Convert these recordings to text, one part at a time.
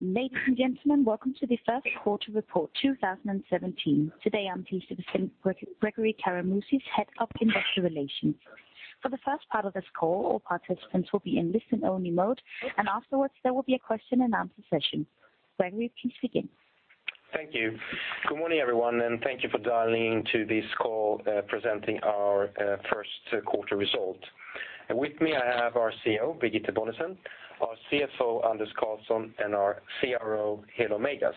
Ladies and gentlemen, welcome to the Q1 report 2017. Today, I'm pleased to present Gregori Karamouzis, Head of Investor Relations. For the first part of this call, all participants will be in listen-only mode, and afterwards there will be a question-and-answer session. Gregory, please begin. Thank you. Good morning, everyone, and thank you for dialing in to this call, presenting our Q1 result. With me, I have our CEO, Birgitte Bonnesen, our CFO, Anders Karlsson, and our CRO, Helo Meigas.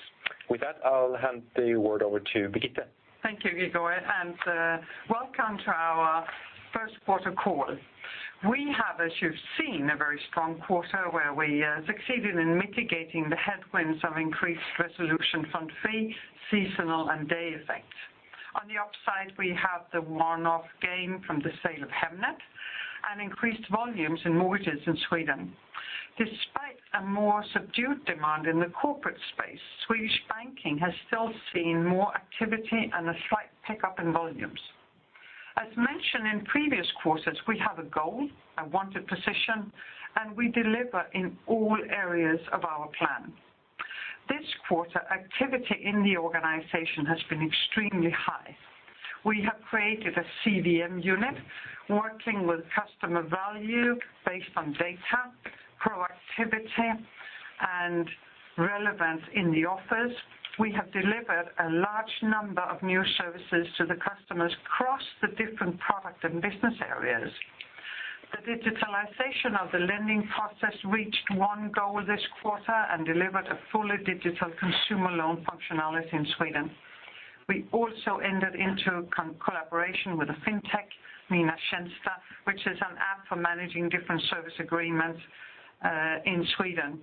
With that, I'll hand the word over to Birgitte. Thank you, Gregori, and, welcome to our Q1 call. We have, as you've seen, a very strong quarter where we succeeded in mitigating the headwinds of increased resolution fund fee, seasonal, and day effect. On the upside, we have the one-off gain from the sale of Hemnet and increased volumes in mortgages in Sweden. Despite a more subdued demand in the corporate space, Swedish banking has still seen more activity and a slight pickup in volumes. As mentioned in previous quarters, we have a goal, a wanted position, and we deliver in all areas of our plan. This quarter, activity in the organization has been extremely high. We have created a CVM unit working with customer value based on data, proactivity, and relevance in the office. We have delivered a large number of new services to the customers across the different product and business areas. The digitalization of the lending process reached one goal this quarter and delivered a fully digital consumer loan functionality in Sweden. We also entered into collaboration with a fintech, Mina Tjänster, which is an app for managing different service agreements in Sweden.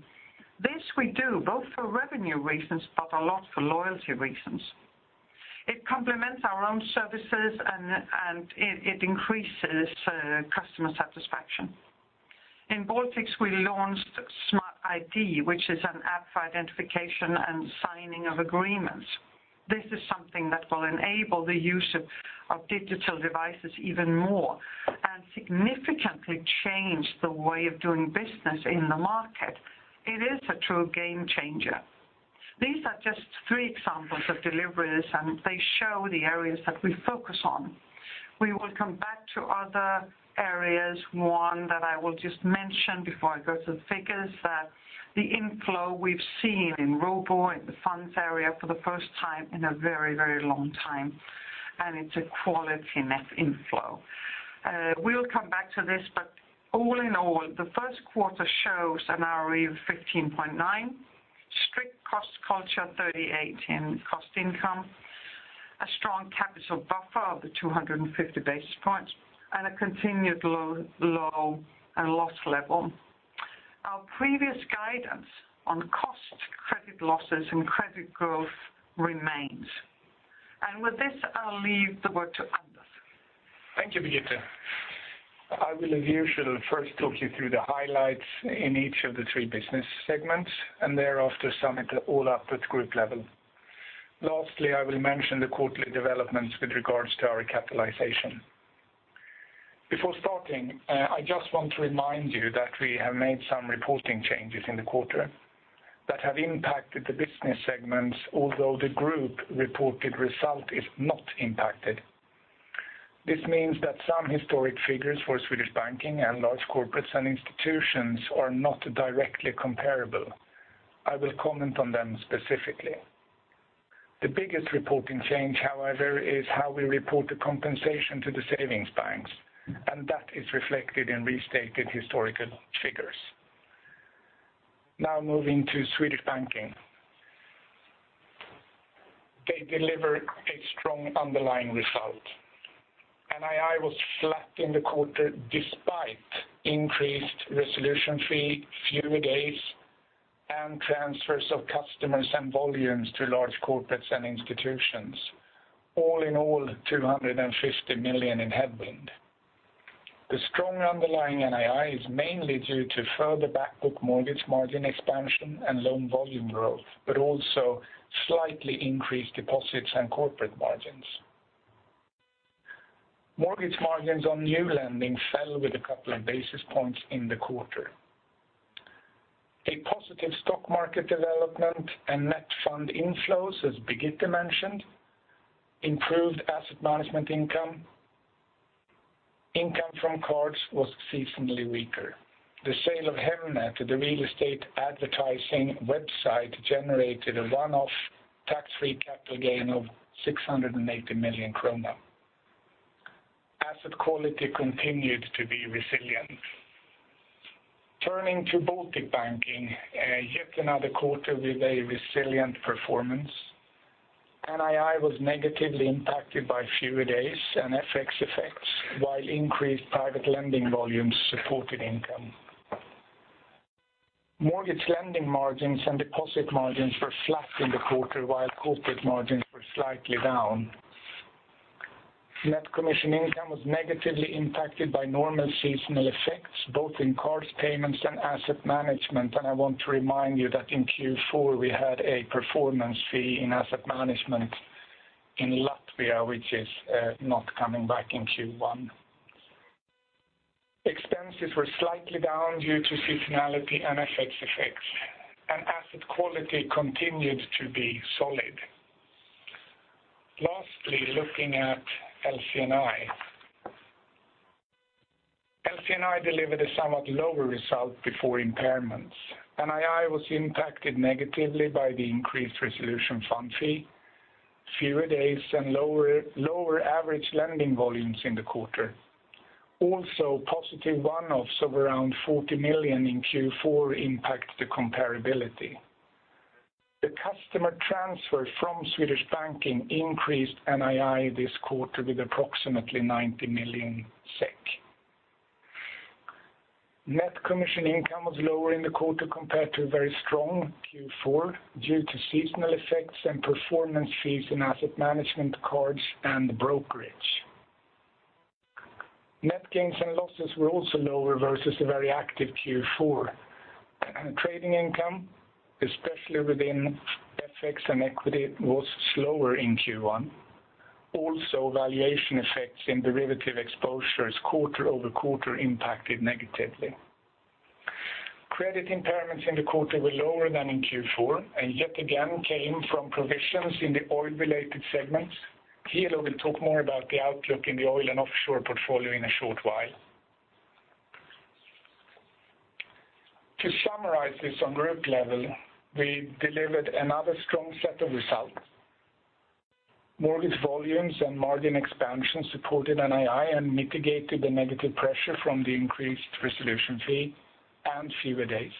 This we do both for revenue reasons, but a lot for loyalty reasons. It complements our own services and it increases customer satisfaction. In Baltics, we launched Smart-ID, which is an app for identification and signing of agreements. This is something that will enable the use of digital devices even more and significantly change the way of doing business in the market. It is a true game changer. These are just three examples of deliveries, and they show the areas that we focus on. We will come back to other areas, one that I will just mention before I go to the figures, that the inflow we've seen in Robur, in the funds area for the first time in a very, very long time, and it's a quality net inflow. We'll come back to this, but all in all, the Q1 shows an ROE of 15.9, strict cost culture, 38 in cost income, a strong capital buffer of the 250 basis points, and a continued low, low, loss level. Our previous guidance on cost, credit losses, and credit growth remains. And with this, I'll leave the word to Anders. Thank you, Birgitte. I will, as usual, first talk you through the highlights in each of the three business segments and thereafter sum it all up at group level. Lastly, I will mention the quarterly developments with regards to our capitalization. Before starting, I just want to remind you that we have made some reporting changes in the quarter that have impacted the business segments, although the group reported result is not impacted. This means that some historic figures for Swedish banking and large corporates and institutions are not directly comparable. I will comment on them specifically. The biggest reporting change, however, is how we report the compensation to the savings banks, and that is reflected in restated historical figures. Now moving to Swedish banking. They delivered a strong underlying result. NII was flat in the quarter despite increased resolution fee, fewer days, and transfers of customers and volumes to large corporates and institutions, all in all, 250 million in headwind. The strong underlying NII is mainly due to further backbook mortgage margin expansion and loan volume growth, but also slightly increased deposits and corporate margins. Mortgage margins on new lending fell with a couple of basis points in the quarter. A positive stock market development and net fund inflows, as Birgitte mentioned, improved asset management income. Income from cards was seasonally weaker. The sale of Hemnet, the real estate advertising website, generated a one-off tax-free capital gain of 680 million kronor. Asset quality continued to be resilient. Turning to Baltic banking, yet another quarter with a resilient performance. NII was negatively impacted by fewer days and FX effects, while increased private lending volumes supported income. Mortgage lending margins and deposit margins were flat in the quarter, while corporate margins were slightly down. Net commission income was negatively impacted by normal seasonal effects, both in cards, payments, and asset management, and I want to remind you that in Q4, we had a performance fee in asset management in Latvia, which is not coming back in Q1. Expenses were slightly down due to seasonality and FX effects, and asset quality continued to be solid. Lastly, looking at LCNI. LCNI delivered a somewhat lower result before impairments. NII was impacted negatively by the increased resolution fund fee, fewer days, and lower average lending volumes in the quarter. Also, positive one-offs of around 40 million in Q4 impact the comparability. The customer transfer from Swedish banking increased NII this quarter with approximately 90 million SEK. Net commission income was lower in the quarter compared to a very strong Q4 due to seasonal effects and performance fees in asset management cards and brokerage. Net gains and losses were also lower versus a very active Q4, and trading income, especially within FX and equity, was slower in Q1. Also, valuation effects in derivative exposures quarter over quarter impacted negatively. Credit impairments in the quarter were lower than in Q4, and yet again came from provisions in the oil-related segments. Here, we'll talk more about the outlook in the oil and offshore portfolio in a short while. To summarize this on group level, we delivered another strong set of results. Mortgage volumes and margin expansion supported NII and mitigated the negative pressure from the increased resolution fee and fewer days.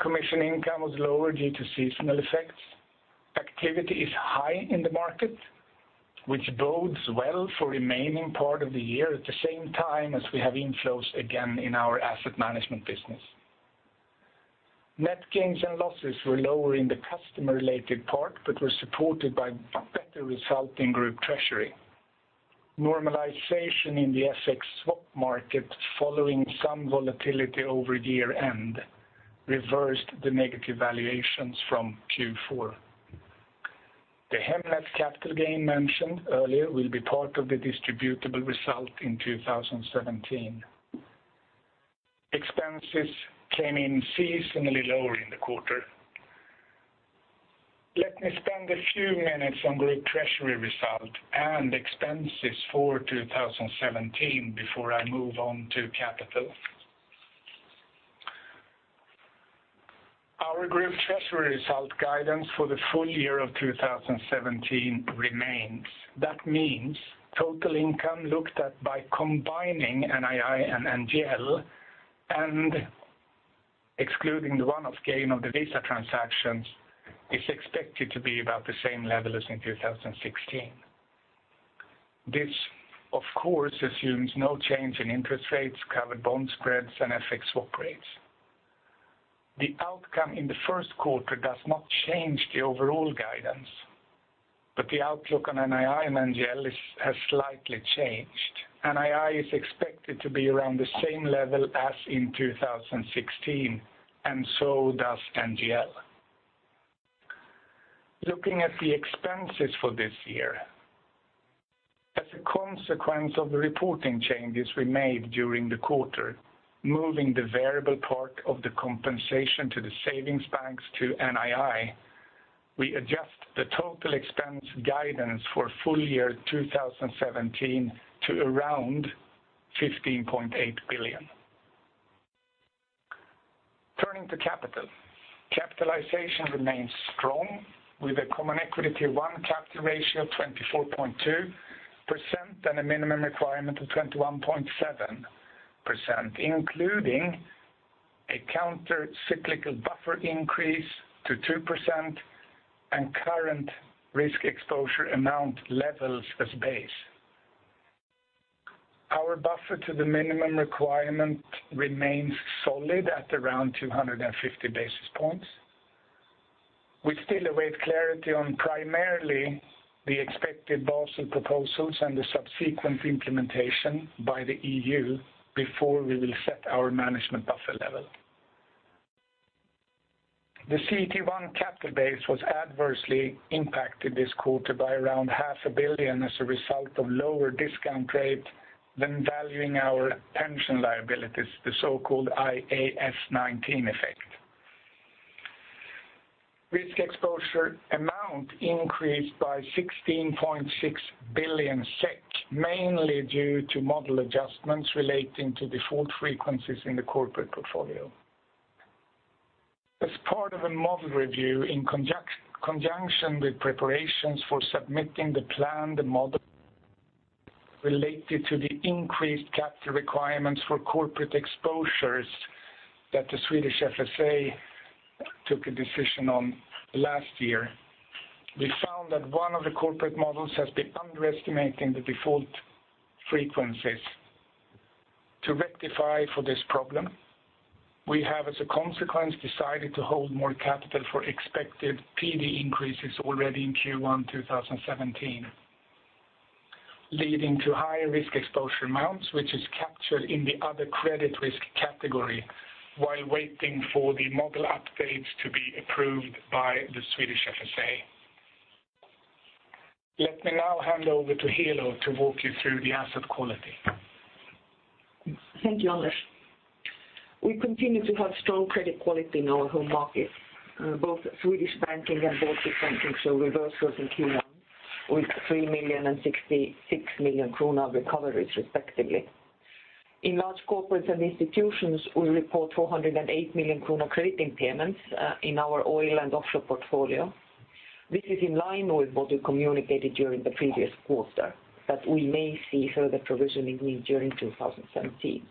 Commission income was lower due to seasonal effects. Activity is high in the market, which bodes well for remaining part of the year, at the same time as we have inflows again in our asset management business. Net gains and losses were lower in the customer-related part, but were supported by better result in group treasury. Normalization in the FX swap market, following some volatility over year-end, reversed the negative valuations from Q4. The Hemnet capital gain mentioned earlier will be part of the distributable result in 2017. Expenses came in seasonally lower in the quarter. Let me spend a few minutes on group treasury result and expenses for 2017 before I move on to capital. Our group treasury result guidance for the full year of 2017 remains. That means total income looked at by combining NII and NGL and excluding the one-off gain of the Visa transactions, is expected to be about the same level as in 2016. This, of course, assumes no change in interest rates, covered bond spreads, and FX swap rates. The outcome in the Q1 does not change the overall guidance, but the outlook on NII and NGL has slightly changed. NII is expected to be around the same level as in 2016, and so does NGL. Looking at the expenses for this year, as a consequence of the reporting changes we made during the quarter, moving the variable part of the compensation to the savings banks to NII, we adjust the total expense guidance for full year 2017 to around SEK 15.8 billion. Turning to capital. Capitalization remains strong, with a Common Equity Tier 1 capital ratio of 24.2% and a minimum requirement of 21.7%, including a countercyclical buffer increase to 2% and current risk exposure amount levels as base. Our buffer to the minimum requirement remains solid at around 250 basis points. We still await clarity on primarily the expected Basel proposals and the subsequent implementation by the EU before we will set our management buffer level. The CET1 capital base was adversely impacted this quarter by around 500 million as a result of lower discount rate than valuing our pension liabilities, the so-called IAS 19 effect. Risk exposure amount increased by 16.6 billion SEK, mainly due to model adjustments relating to default frequencies in the corporate portfolio. As part of a model review in conjunction with preparations for submitting the planned model related to the increased capital requirements for corporate exposures that the Swedish FSA took a decision on last year, we found that one of the corporate models has been underestimating the default frequencies. To rectify for this problem, we have, as a consequence, decided to hold more capital for expected PD increases already in Q1 2017, leading to higher risk exposure amounts, which is captured in the other credit risk category while waiting for the model updates to be approved by the Swedish FSA. Let me now hand over to Helo to walk you through the asset quality. Thank you, Anders. We continue to have strong credit quality in our home market, both Swedish banking and Baltic banking, so reversals in Q1 with 3 million and 66 million krona recoveries, respectively. In large corporates and institutions, we report 408 million krona credit impairments, in our oil and offshore portfolio. This is in line with what we communicated during the previous quarter, that we may see further provisioning need during 2017.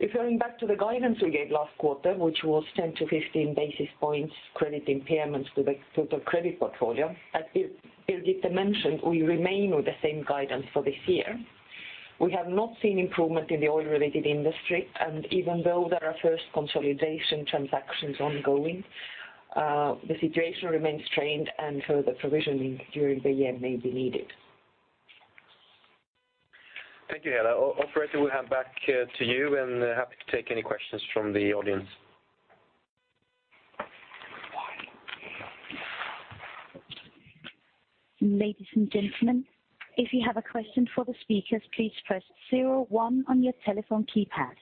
Referring back to the guidance we gave last quarter, which was 10-15 basis points credit impairments to the total credit portfolio, as Birgitte mentioned, we remain with the same guidance for this year. We have not seen improvement in the oil-related industry, and even though there are first consolidation transactions ongoing, the situation remains strained and further provisioning during the year may be needed. Thank you, Helo. Operator, we're handing back to you, and happy to take any questions from the audience. Ladies and gentlemen, if you have a question for the speakers, please press zero one on your telephone keypad.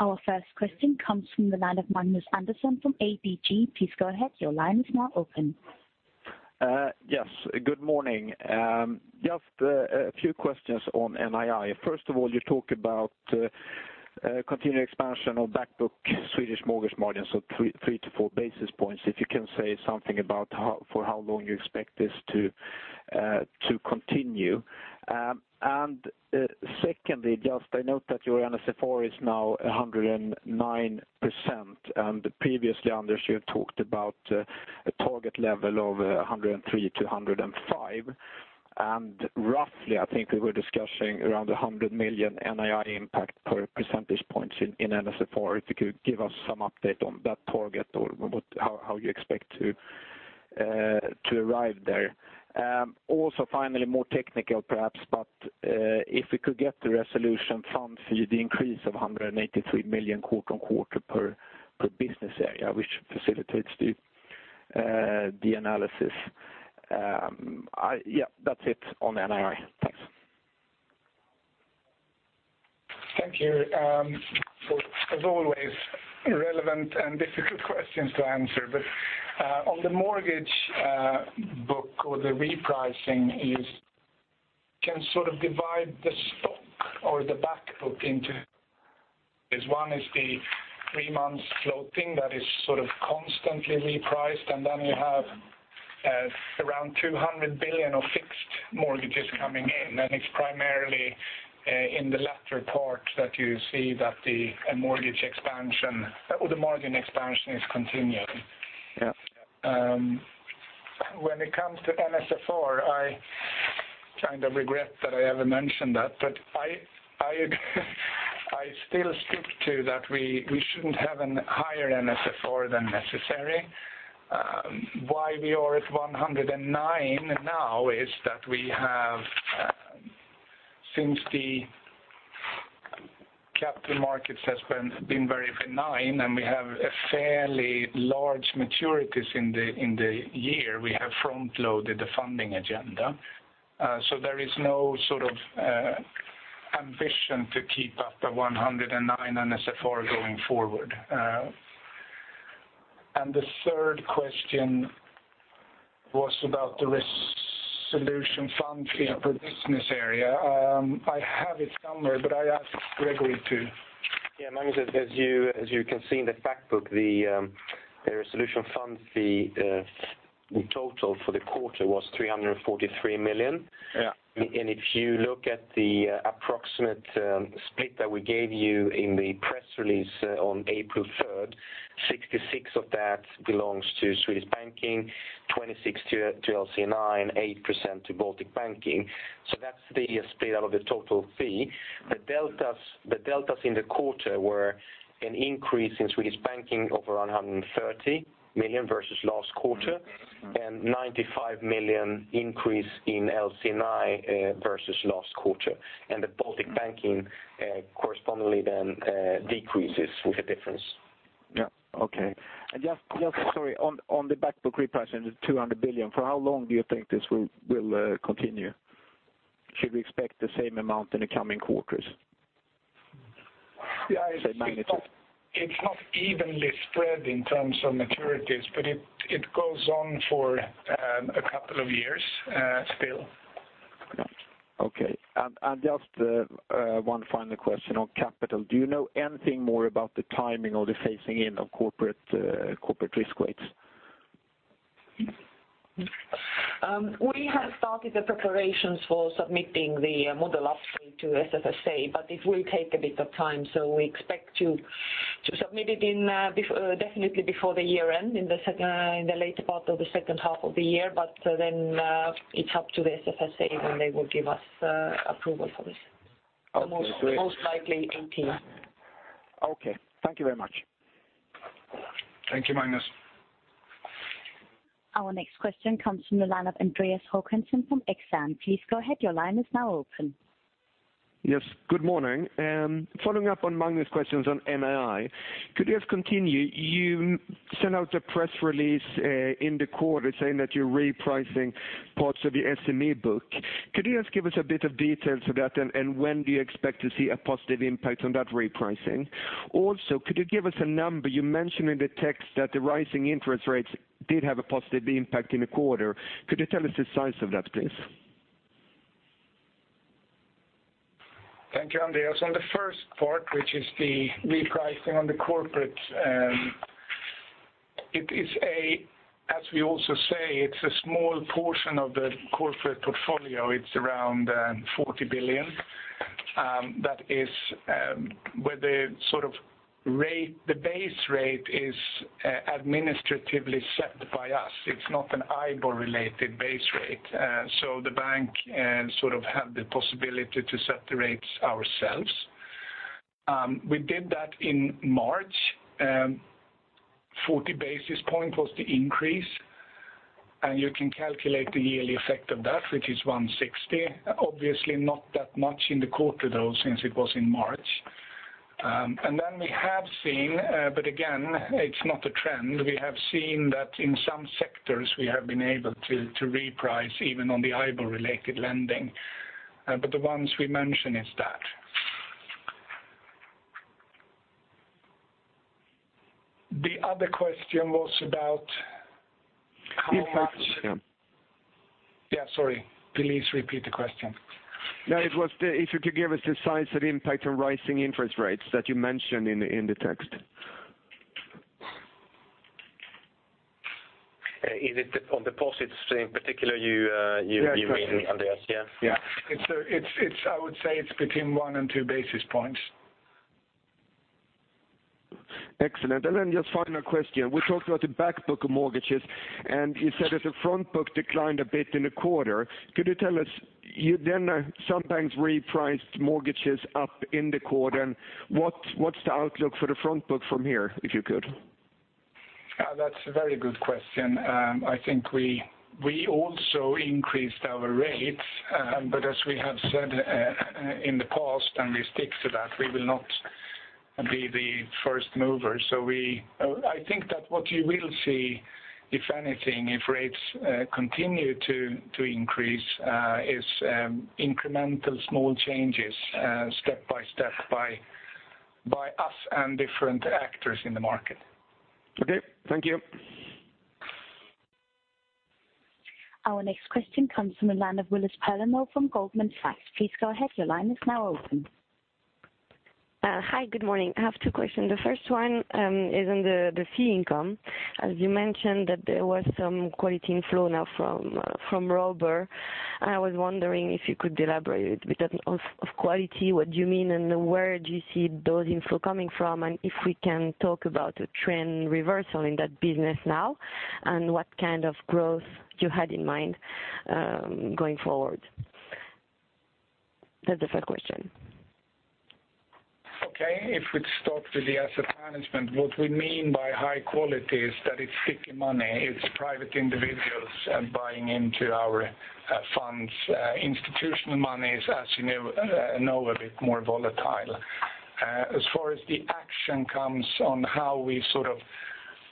Our first question comes from the line of Magnus Andersson from ABG. Please go ahead, your line is now open. Yes, good morning. Just a few questions on NII. First of all, you talk about continued expansion of back book Swedish mortgage margins of 3-4 basis points, if you can say something about how, for how long you expect this to continue. And secondly, just, I note that your NSFR is now 109%, and previously, Anders, you had talked about a target level of 103%-105%. And roughly, I think we were discussing around 100 million NII impact per percentage points in NSFR. If you could give us some update on that target or what, how you expect to arrive there. Also, finally, more technical perhaps, but if we could get the resolution fund fee, the increase of 183 million quarter-on-quarter per, per business area, which facilitates the analysis. I, yeah, that's it on NII. Thanks. Thank you. So as always, relevant and difficult questions to answer. But, on the mortgage book or the repricing is, can sort of divide the stock or the back book into... This one is the three-months floating that is sort of constantly repriced, and then you have around 200 billion of fixed mortgages coming in. And it's primarily in the latter part that you see that the, a mortgage expansion or the margin expansion is continuing. Yeah. When it comes to NSFR, I kind of regret that I ever mentioned that. But I still stick to that we shouldn't have a higher NSFR than necessary. Why we are at 109 now is that we have, since the capital markets has been very benign, and we have a fairly large maturities in the year, we have front-loaded the funding agenda. So there is no sort of ambition to keep up the 109 NSFR going forward. And the third question was about the resolution fund fee per business area. I have it somewhere, but I ask Gregori to- Yeah, Magnus, as you can see in the fact book, the resolution fund fee in total for the quarter was 343 million. Yeah. If you look at the approximate split that we gave you in the press release on April 3, 66 of that belongs to Swedish Banking, 26 to LC&I, 8% to Baltic Banking. So that's the split out of the total fee. The deltas, the deltas in the quarter were an increase in Swedish Banking of around 130 million versus last quarter, and 95 million increase in LC&I versus last quarter. And the Baltic Banking correspondingly then decreases with the difference. Yeah. Okay. And just sorry, on the back book repricing, the 200 billion, for how long do you think this will continue? Should we expect the same amount in the coming quarters? Yeah, it's- The magnitude. It's not evenly spread in terms of maturities, but it goes on for a couple of years still. Okay. And just one final question on capital. Do you know anything more about the timing or the phasing in of corporate risk weights? We have started the preparations for submitting the model update to SFSA, but it will take a bit of time. So we expect to submit it definitely before the year end, in the later part of the second half of the year. But then it's up to the SFSA, when they will give us approval for this. Okay, great. Most likely in Q1. Okay. Thank you very much. Thank you, Magnus. Our next question comes from the line of Andreas Håkansson from Exane. Please go ahead, your line is now open. Yes, good morning. Following up on Magnus' questions on NII, could you just continue, you sent out a press release, in the quarter saying that you're repricing parts of the SME book. Could you just give us a bit of details of that, and, and when do you expect to see a positive impact on that repricing? Also, could you give us a number, you mentioned in the text that the rising interest rates did have a positive impact in the quarter. Could you tell us the size of that, please? Thank you, Andreas. On the first part, which is the repricing on the corporate, it is a, as we also say, it's a small portion of the corporate portfolio. It's around 40 billion. That is, where the sort of rate, the base rate is, administratively set by us. It's not an IBOR-related base rate. So the bank, sort of have the possibility to set the rates ourselves. We did that in March, 40 basis point was the increase, and you can calculate the yearly effect of that, which is 160 million. Obviously, not that much in the quarter, though, since it was in March. And then we have seen, but again, it's not a trend. We have seen that in some sectors we have been able to reprice even on the IBOR-related lending, but the ones we mention is that. The other question was about how much- Impact, yeah. Yeah, sorry. Please repeat the question. No, it was if you could give us the size of the impact on rising interest rates that you mentioned in the text. Is it on deposits in particular you mean, Andreas, yeah? Yeah. It's, I would say, it's between one and two basis points. Excellent. And then, just final question. We talked about the back book of mortgages, and you said that the front book declined a bit in the quarter. Could you tell us? You then sometimes repriced mortgages up in the quarter. What, what's the outlook for the front book from here, if you could? That's a very good question. I think we also increased our rates, but as we have said, in the past, and we stick to that, we will not be the first mover. I think that what you will see, if anything, if rates continue to increase, is incremental small changes, step by step, by us and different actors in the market. Okay. Thank you. Our next question comes from the line of Willis Palermo from Goldman Sachs. Please go ahead, your line is now open. Hi, good morning. I have two questions. The first one is on the fee income. As you mentioned, that there was some quality inflow now from Robur, and I was wondering if you could elaborate a bit on of quality, what do you mean, and where do you see those inflow coming from? And if we can talk about a trend reversal in that business now, and what kind of growth you had in mind going forward? That's the first question. Okay. If we start with the asset management, what we mean by high quality is that it's sticky money. It's private individuals buying into our funds. Institutional money is, as you know, a bit more volatile. As far as the action comes on how we sort of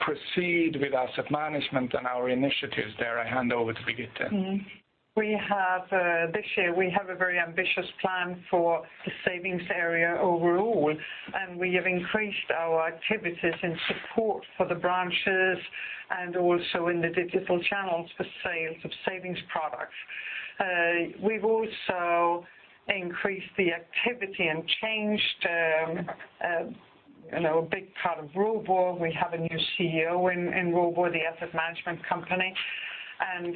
proceed with asset management and our initiatives there, I hand over to Birgitte. We have this year, we have a very ambitious plan for the savings area overall, and we have increased our activities in support for the branches and also in the digital channels for sales of savings products. We've also increased the activity and changed, you know, a big part of Robur. We have a new CEO in Robur, the asset management company. And,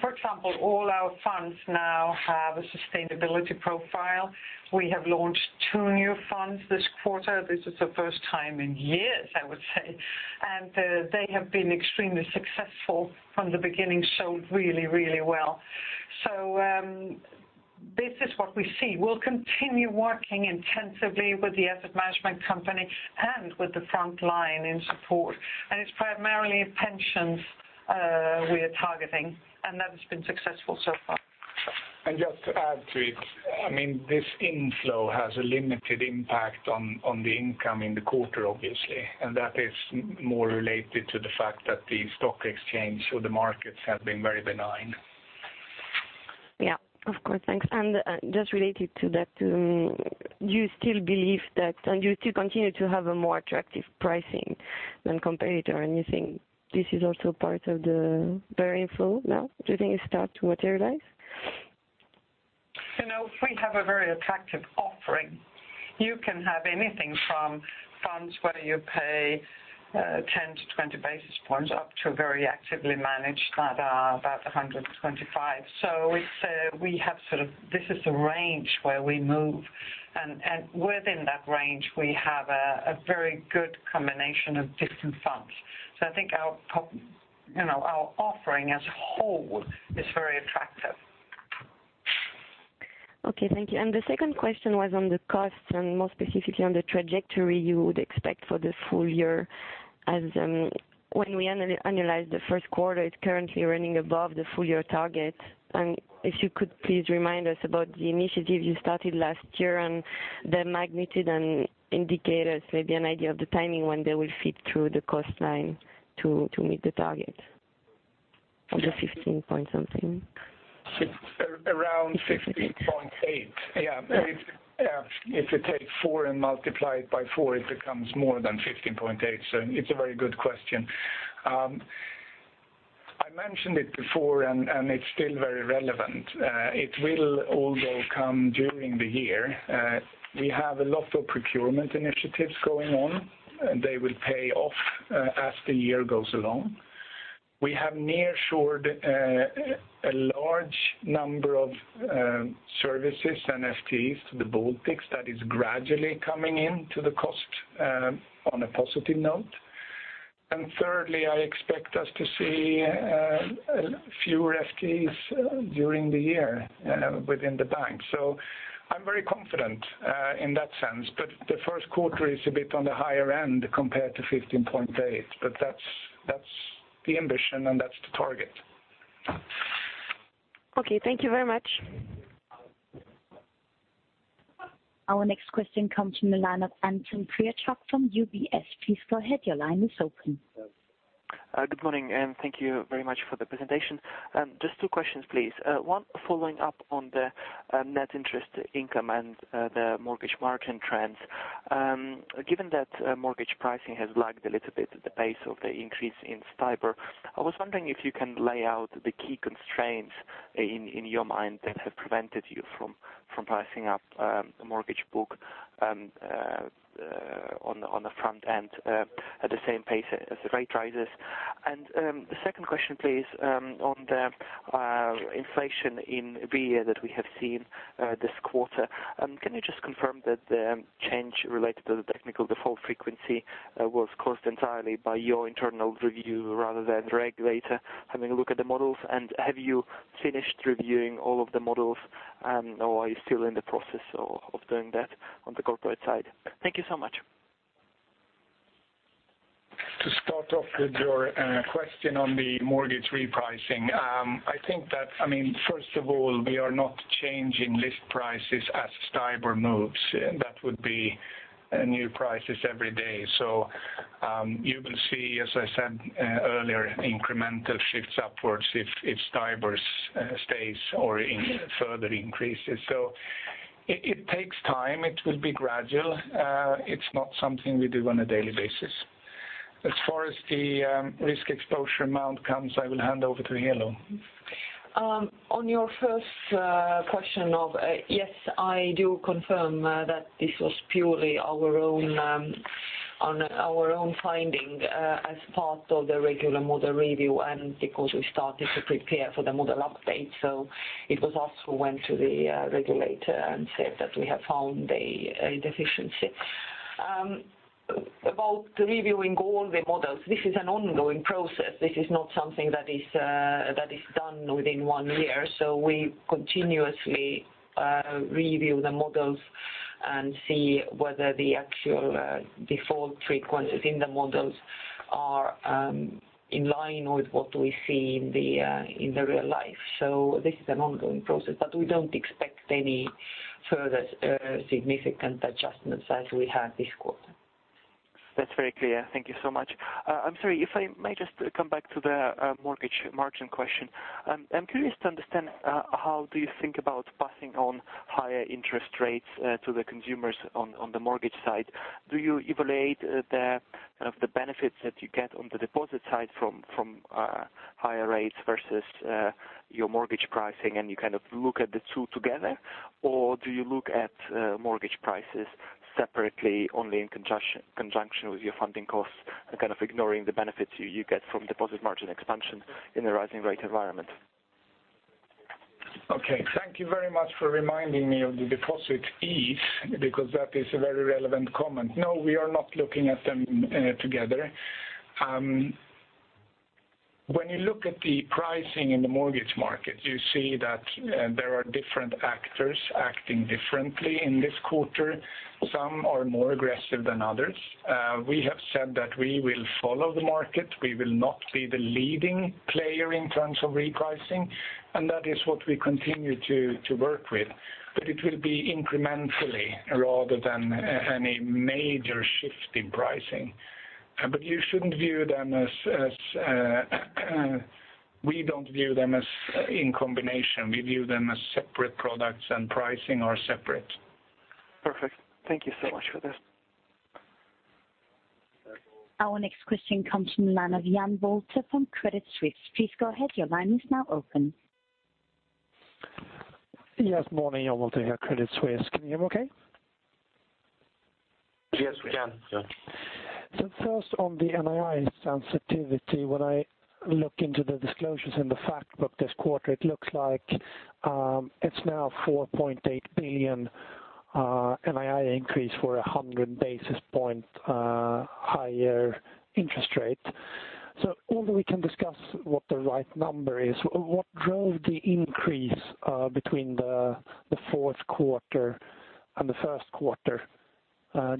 for example, all our funds now have a sustainability profile. We have launched two new funds this quarter. This is the first time in years, I would say. And, they have been extremely successful from the beginning, so really, really well. So, this is what we see. We'll continue working intensively with the asset management company and with the front line in support. It's primarily pensions we are targeting, and that has been successful so far. And just to add to it, I mean, this inflow has a limited impact on the income in the quarter, obviously, and that is more related to the fact that the stock exchange or the markets have been very benign. Yeah, of course. Thanks. And just related to that, do you still believe that, and you still continue to have a more attractive pricing than competitor, and you think this is also part of the better inflow now? Do you think it start to materialize? You know, we have a very attractive offering. You can have anything from funds, whether you pay 10-20 basis points, up to a very actively managed that are about 125. So it's we have sort of- this is the range where we move. And, and within that range, we have a very good combination of different funds. So I think our pop- you know, our offering as whole is very attractive. Okay, thank you. And the second question was on the costs and more specifically on the trajectory you would expect for the full year. As when we analyze the Q1, it's currently running above the full year target. And if you could please remind us about the initiative you started last year, and the magnitude, and indicate us maybe an idea of the timing when they will feed through the cost line to meet the target of the 15 point something. Around 15.8. Yeah, if you take 4 and multiply it by 4, it becomes more than 15.8, so it's a very good question. I mentioned it before, and it's still very relevant. It will all come during the year. We have a lot of procurement initiatives going on, and they will pay off as the year goes along. We have nearshored a large number of services and FTEs to the Baltics that is gradually coming in to the cost on a positive note. And thirdly, I expect us to see fewer FTEs during the year within the bank. So I'm very confident in that sense. But the Q1 is a bit on the higher end compared to 15.8, but that's the ambition, and that's the target. Okay, thank you very much. Our next question comes from the line of Anton Kryachok from UBS. Please go ahead, your line is open. Good morning, and thank you very much for the presentation. Just two questions, please. One following up on the net interest income and the mortgage margin trends. Given that mortgage pricing has lagged a little bit at the pace of the increase in STIBOR, I was wondering if you can lay out the key constraints in your mind that have prevented you from pricing up the mortgage book on the front end at the same pace as the rate rises. The second question, please, on the inflation in REA that we have seen this quarter. Can you just confirm that the change related to the technical default frequency was caused entirely by your internal review rather than the regulator having a look at the models? Have you finished reviewing all of the models, or are you still in the process of doing that on the corporate side? Thank you so much. To start off with your question on the mortgage repricing. I think that, I mean, first of all, we are not changing list prices as STIBOR moves. That would be new prices every day. So, you will see, as I said earlier, incremental shifts upwards if STIBOR stays or in further increases. So it takes time. It will be gradual. It's not something we do on a daily basis. As far as the risk exposure amount comes, I will hand over to Helo. On your first question of, yes, I do confirm that this was purely our own, on our own finding, as part of the regular model review and because we started to prepare for the model update. So it was us who went to the regulator and said that we have found a deficiency. About reviewing all the models, this is an ongoing process. This is not something that is, that is done within one year. So we continuously review the models and see whether the actual default frequencies in the models are in line with what we see in the real life. So this is an ongoing process, but we don't expect any further significant adjustments as we have this quarter. That's very clear. Thank you so much. I'm sorry, if I may just come back to the mortgage margin question. I'm curious to understand how do you think about passing on higher interest rates to the consumers on the mortgage side? Do you evaluate the kind of the benefits that you get on the deposit side from higher rates versus your mortgage pricing, and you kind of look at the two together? Or do you look at mortgage prices separately, only in conjunction with your funding costs and kind of ignoring the benefits you get from deposit margin expansion in a rising rate environment? Okay, thank you very much for reminding me of the deposit fees, because that is a very relevant comment. No, we are not looking at them together. When you look at the pricing in the mortgage market, you see that there are different actors acting differently in this quarter. Some are more aggressive than others. We have said that we will follow the market. We will not be the leading player in terms of repricing, and that is what we continue to work with. But it will be incrementally rather than any major shift in pricing. But you shouldn't view them as... We don't view them as in combination. We view them as separate products, and pricing are separate. Perfect. Thank you so much for this. Our next question comes from the line of Jan Wolter from Credit Suisse. Please go ahead. Your line is now open. Yes, morning, Jan Wolter here, Credit Suisse. Can you hear me okay? Yes, we can. First, on the NII sensitivity, when I look into the disclosures in the fact book this quarter, it looks like it's now 4.8 billion NII increase for a 100 basis point higher interest rate. So although we can discuss what the right number is, what drove the increase between the Q4 and the Q1,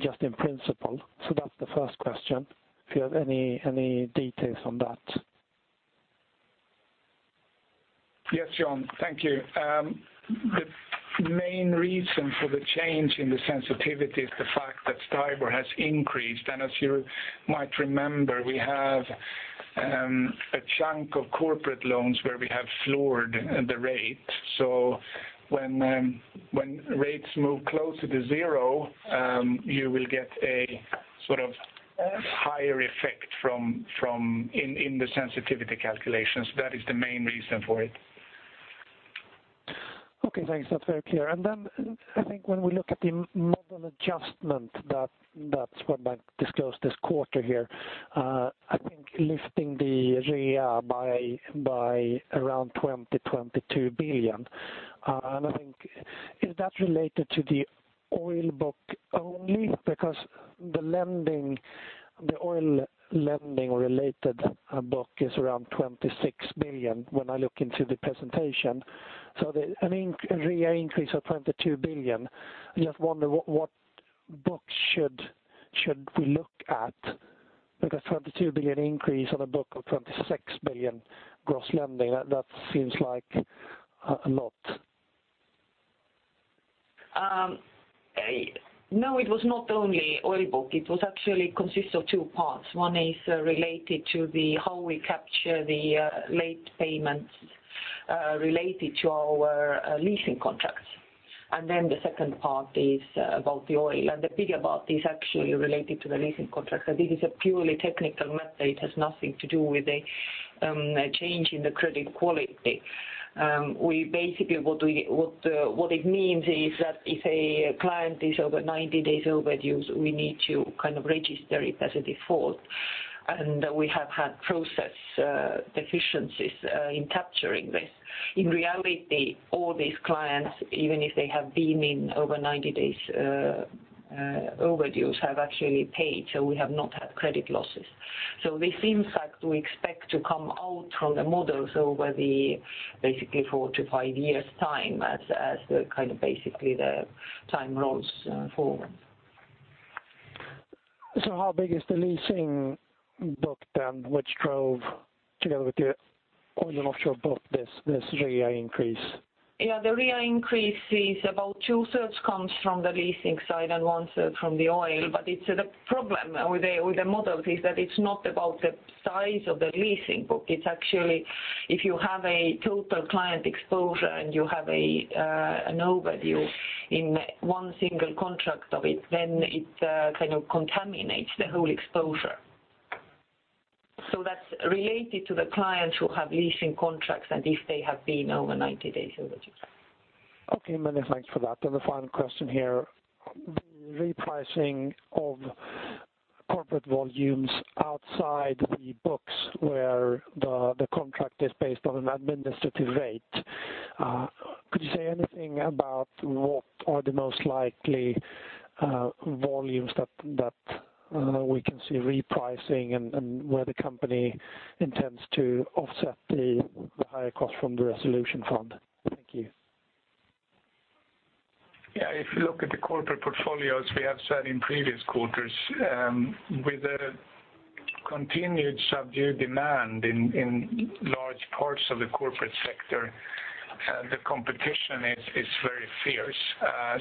just in principle? So that's the first question, if you have any details on that. Yes, John, thank you. The main reason for the change in the sensitivity is the fact that STIBOR has increased. And as you might remember, we have a chunk of corporate loans where we have floored the rate. So when rates move closer to zero, you will get a sort of higher effect from the sensitivity calculations. That is the main reason for it. Okay, thanks. That's very clear. Then I think when we look at the model adjustment that Swedbank disclosed this quarter here, I think lifting the REA by around 20 billion-22 billion. And I think, is that related to the oil book only? Because the lending, the oil lending-related book is around 26 billion when I look into the presentation. So an REA increase of 22 billion, I just wonder what book should we look at? Because 22 billion increase on a book of 26 billion gross lending, that seems like a lot. No, it was not only oil book. It was actually consists of two parts. One is related to the how we capture the, late payments, related to our, leasing contracts. And then the second part is about the oil. And the big part is actually related to the leasing contract. So this is a purely technical method. It has nothing to do with a, a change in the credit quality. We basically, what we, what, what it means is that if a client is over 90 days overdue, we need to kind of register it as a default. And we have had process, deficiencies, in capturing this. In reality, all these clients, even if they have been in over 90 days, overdue, have actually paid, so we have not had credit losses. So this impact we expect to come out from the models over the basically four to five years' time as the kind of basically the time rolls forward. So how big is the leasing book then, which drove, together with the oil and offshore book, this, this REA increase? Yeah, the REA increase is about two-thirds comes from the leasing side and one-third from the oil. But it's the problem with the models is that it's not about the size of the leasing book. It's actually if you have a total client exposure and you have an overview in one single contract of it, then it kind of contaminates the whole exposure. So that's related to the clients who have leasing contracts, and if they have been over 90 days overdue. Okay, many thanks for that. Then the final question here. The repricing of corporate volumes outside the books where the contract is based on an administrative rate, could you say anything about what are the most likely volumes that we can see repricing and where the company intends to offset the higher cost from the resolution fund? Thank you. Yeah, if you look at the corporate portfolios, we have said in previous quarters, with the continued subdued demand in large parts of the corporate sector, the competition is very fierce.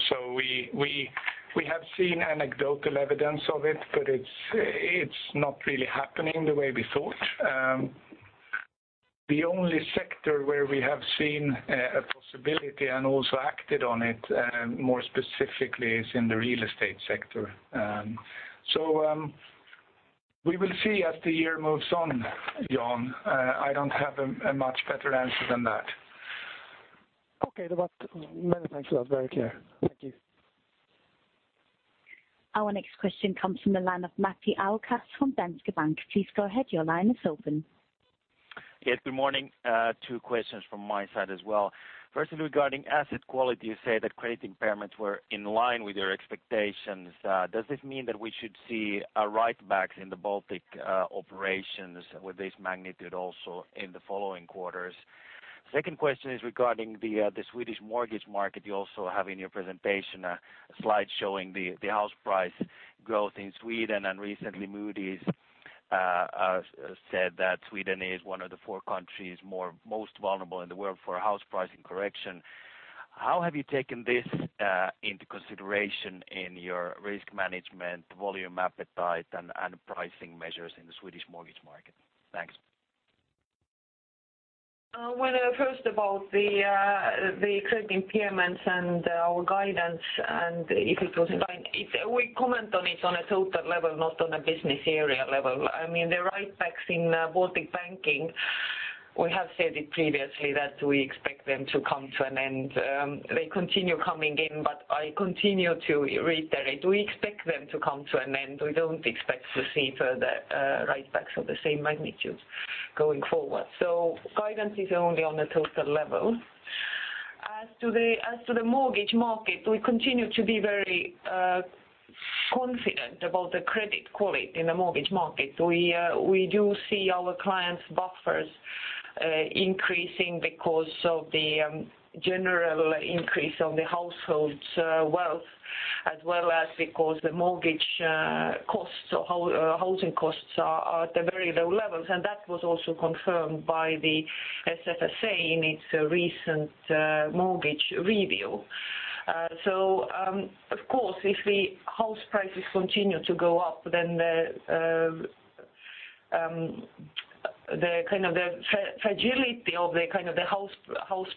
So we have seen anecdotal evidence of it, but it's not really happening the way we thought. The only sector where we have seen a possibility and also acted on it, more specifically, is in the real estate sector. So we will see as the year moves on, John. I don't have a much better answer than that. Okay, that's... Many thanks for that. Very clear. Thank you. Our next question comes from the line of Matti Ahokas from Danske Bank. Please go ahead, your line is open. Yes, good morning. Two questions from my side as well. Firstly, regarding asset quality, you say that credit impairments were in line with your expectations. Does this mean that we should see write-backs in the Baltic operations with this magnitude also in the following quarters? Second question is regarding the Swedish mortgage market. You also have in your presentation a slide showing the house price growth in Sweden, and recently Moody's said that Sweden is one of the four countries most vulnerable in the world for a house pricing correction. How have you taken this into consideration in your risk management, volume appetite, and pricing measures in the Swedish mortgage market? Thanks. Well, first of all, the credit impairments and our guidance, and if it was fine if we comment on it on a total level, not on a business area level. I mean, the write-backs in Baltic Banking, we have said it previously that we expect them to come to an end. They continue coming in, but I continue to reiterate, we expect them to come to an end. We don't expect to see further write-backs of the same magnitude going forward. So guidance is only on a total level. As to the mortgage market, we continue to be very confident about the credit quality in the mortgage market. We do see our clients' buffers increasing because of the general increase on the household's wealth, as well as because the mortgage costs or housing costs are at a very low levels. That was also confirmed by the SSSA in its recent mortgage review. So, of course, if the house prices continue to go up, then the kind of the fragility of the kind of the house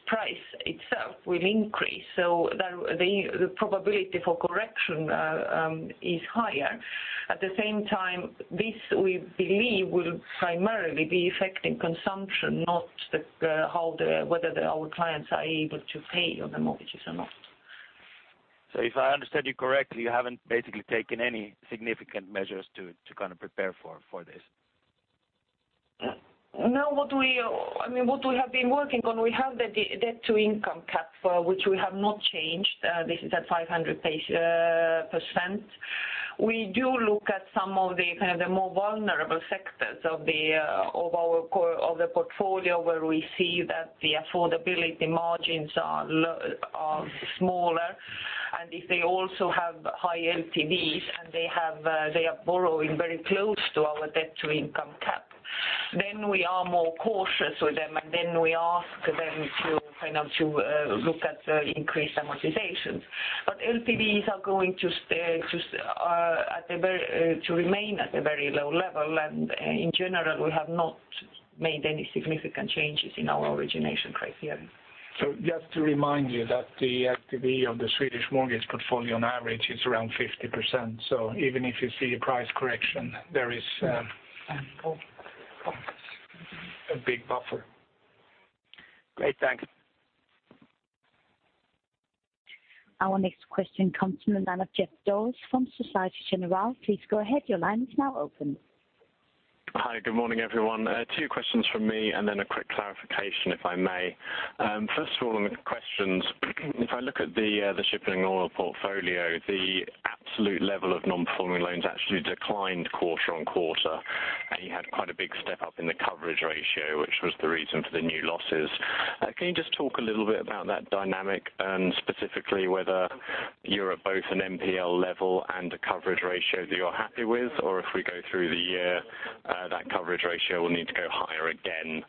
price itself will increase. So the probability for correction is higher. At the same time, this we believe will primarily be affecting consumption, not whether our clients are able to pay on the mortgages or not. If I understand you correctly, you haven't basically taken any significant measures to kind of prepare for this? No, what we, I mean, what we have been working on, we have the debt-to-income cap, which we have not changed. This is at 500%. We do look at some of the, kind of, the more vulnerable sectors of the, of our core, of the portfolio, where we see that the affordability margins are smaller. If they also have high LTVs, and they are borrowing very close to our debt-to-income cap, then we are more cautious with them, and then we ask them to, kind of, to look at increased amortizations. LTVs are going to stay, to remain at a very low level. In general, we have not made any significant changes in our origination criteria. Just to remind you that the LTV of the Swedish mortgage portfolio on average is around 50%. So even if you see a price correction, there is a big buffer. Great, thanks. Our next question comes from the line of Geoff Dawes from Société Générale. Please go ahead, your line is now open. Hi, good morning, everyone. Two questions from me, and then a quick clarification, if I may. First of all, on the questions, if I look at the shipping oil portfolio, the absolute level of non-performing loans actually declined quarter-on-quarter, and you had quite a big step up in the coverage ratio, which was the reason for the new losses. Can you just talk a little bit about that dynamic, and specifically, whether you're at both an NPL level and a coverage ratio that you're happy with? Or if we go through the year, that coverage ratio will need to go higher again.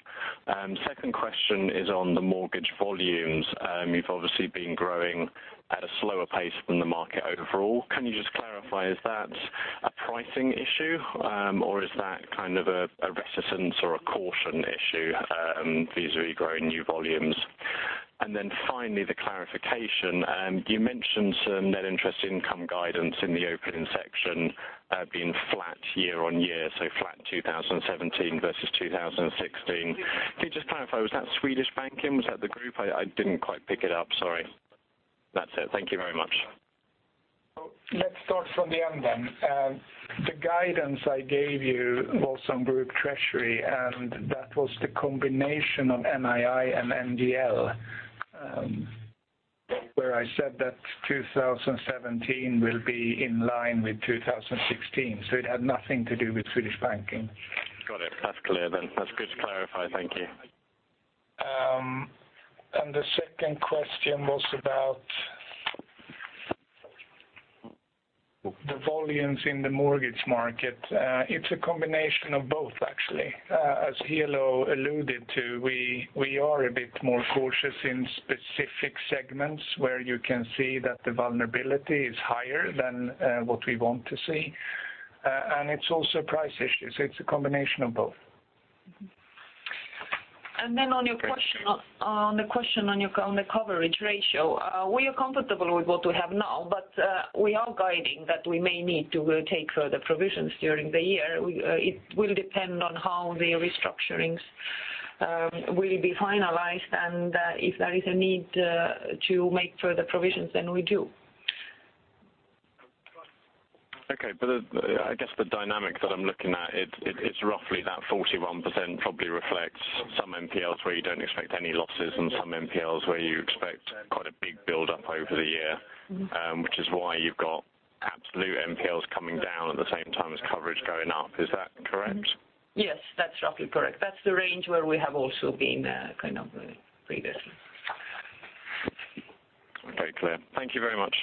Second question is on the mortgage volumes. You've obviously been growing at a slower pace than the market overall. Can you just clarify, is that a pricing issue, or is that kind of a reticence or a caution issue, vis-a-vis growing new volumes? And then finally, the clarification. You mentioned some net interest income guidance in the opening section, being flat year on year, so flat 2017 versus 2016. Can you just clarify, was that Swedish banking? Was that the group? I didn't quite pick it up. Sorry. That's it. Thank you very much. So let's start from the end then. The guidance I gave you was on group treasury, and that was the combination of NII and NGL, where I said that 2017 will be in line with 2016. So it had nothing to do with Swedish banking. Got it. That's clear then. That's good to clarify. Thank you. And the second question was about the volumes in the mortgage market. It's a combination of both, actually. As Helo alluded to, we are a bit more cautious in specific segments where you can see that the vulnerability is higher than what we want to see. And it's also price issues. It's a combination of both. Mm-hmm. And then on your question on the coverage ratio, we are comfortable with what we have now, but we are guiding that we may need to take further provisions during the year. We, it will depend on how the restructurings will be finalized, and if there is a need to make further provisions, then we do. Okay. But I guess the dynamic that I'm looking at, it's roughly that 41% probably reflects some NPLs where you don't expect any losses and some NPLs where you expect quite a big build-up over the year- Mm-hmm. which is why you've got absolute NPLs coming down at the same time as coverage going up. Is that correct? Yes, that's roughly correct. That's the range where we have also been, kind of, previously. Very clear. Thank you very much.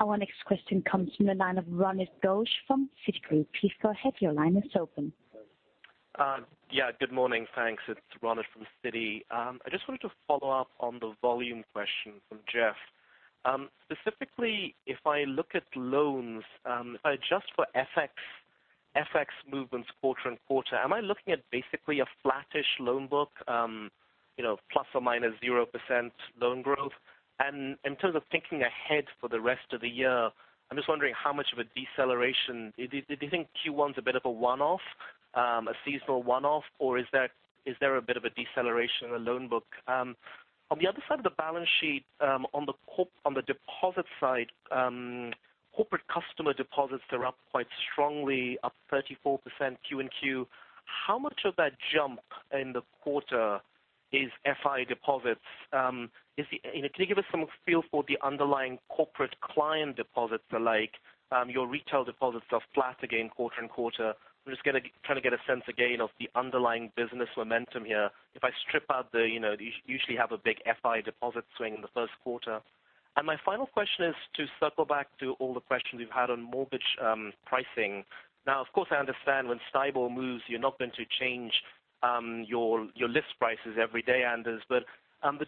Our next question comes from the line of Ronit Ghose from Citigroup. Please go ahead, your line is open. Yeah, good morning. Thanks. It's Ronit from Citi. I just wanted to follow up on the volume question from Jeff. Specifically, if I look at loans, if I adjust for FX, FX movements quarter-on-quarter, am I looking at basically a flattish loan book, you know, plus or minus 0% loan growth? And in terms of thinking ahead for the rest of the year, I'm just wondering how much of a deceleration... Do you think Q1's a bit of a one-off, a seasonal one-off, or is there a bit of a deceleration in the loan book?... On the other side of the balance sheet, on the corporate deposit side, corporate customer deposits are up quite strongly, up 34% Q-on-Q. How much of that jump in the quarter is FI deposits? Is the, and can you give us some feel for the underlying corporate client deposits alike? Your retail deposits are flat again quarter-on-quarter. I'm just gonna—trying to get a sense again of the underlying business momentum here. If I strip out the, you know, you usually have a big FI deposit swing in the Q1. My final question is to circle back to all the questions we've had on mortgage pricing. Now, of course, I understand when STIBOR moves, you're not going to change your list prices every day, Anders. The 2-3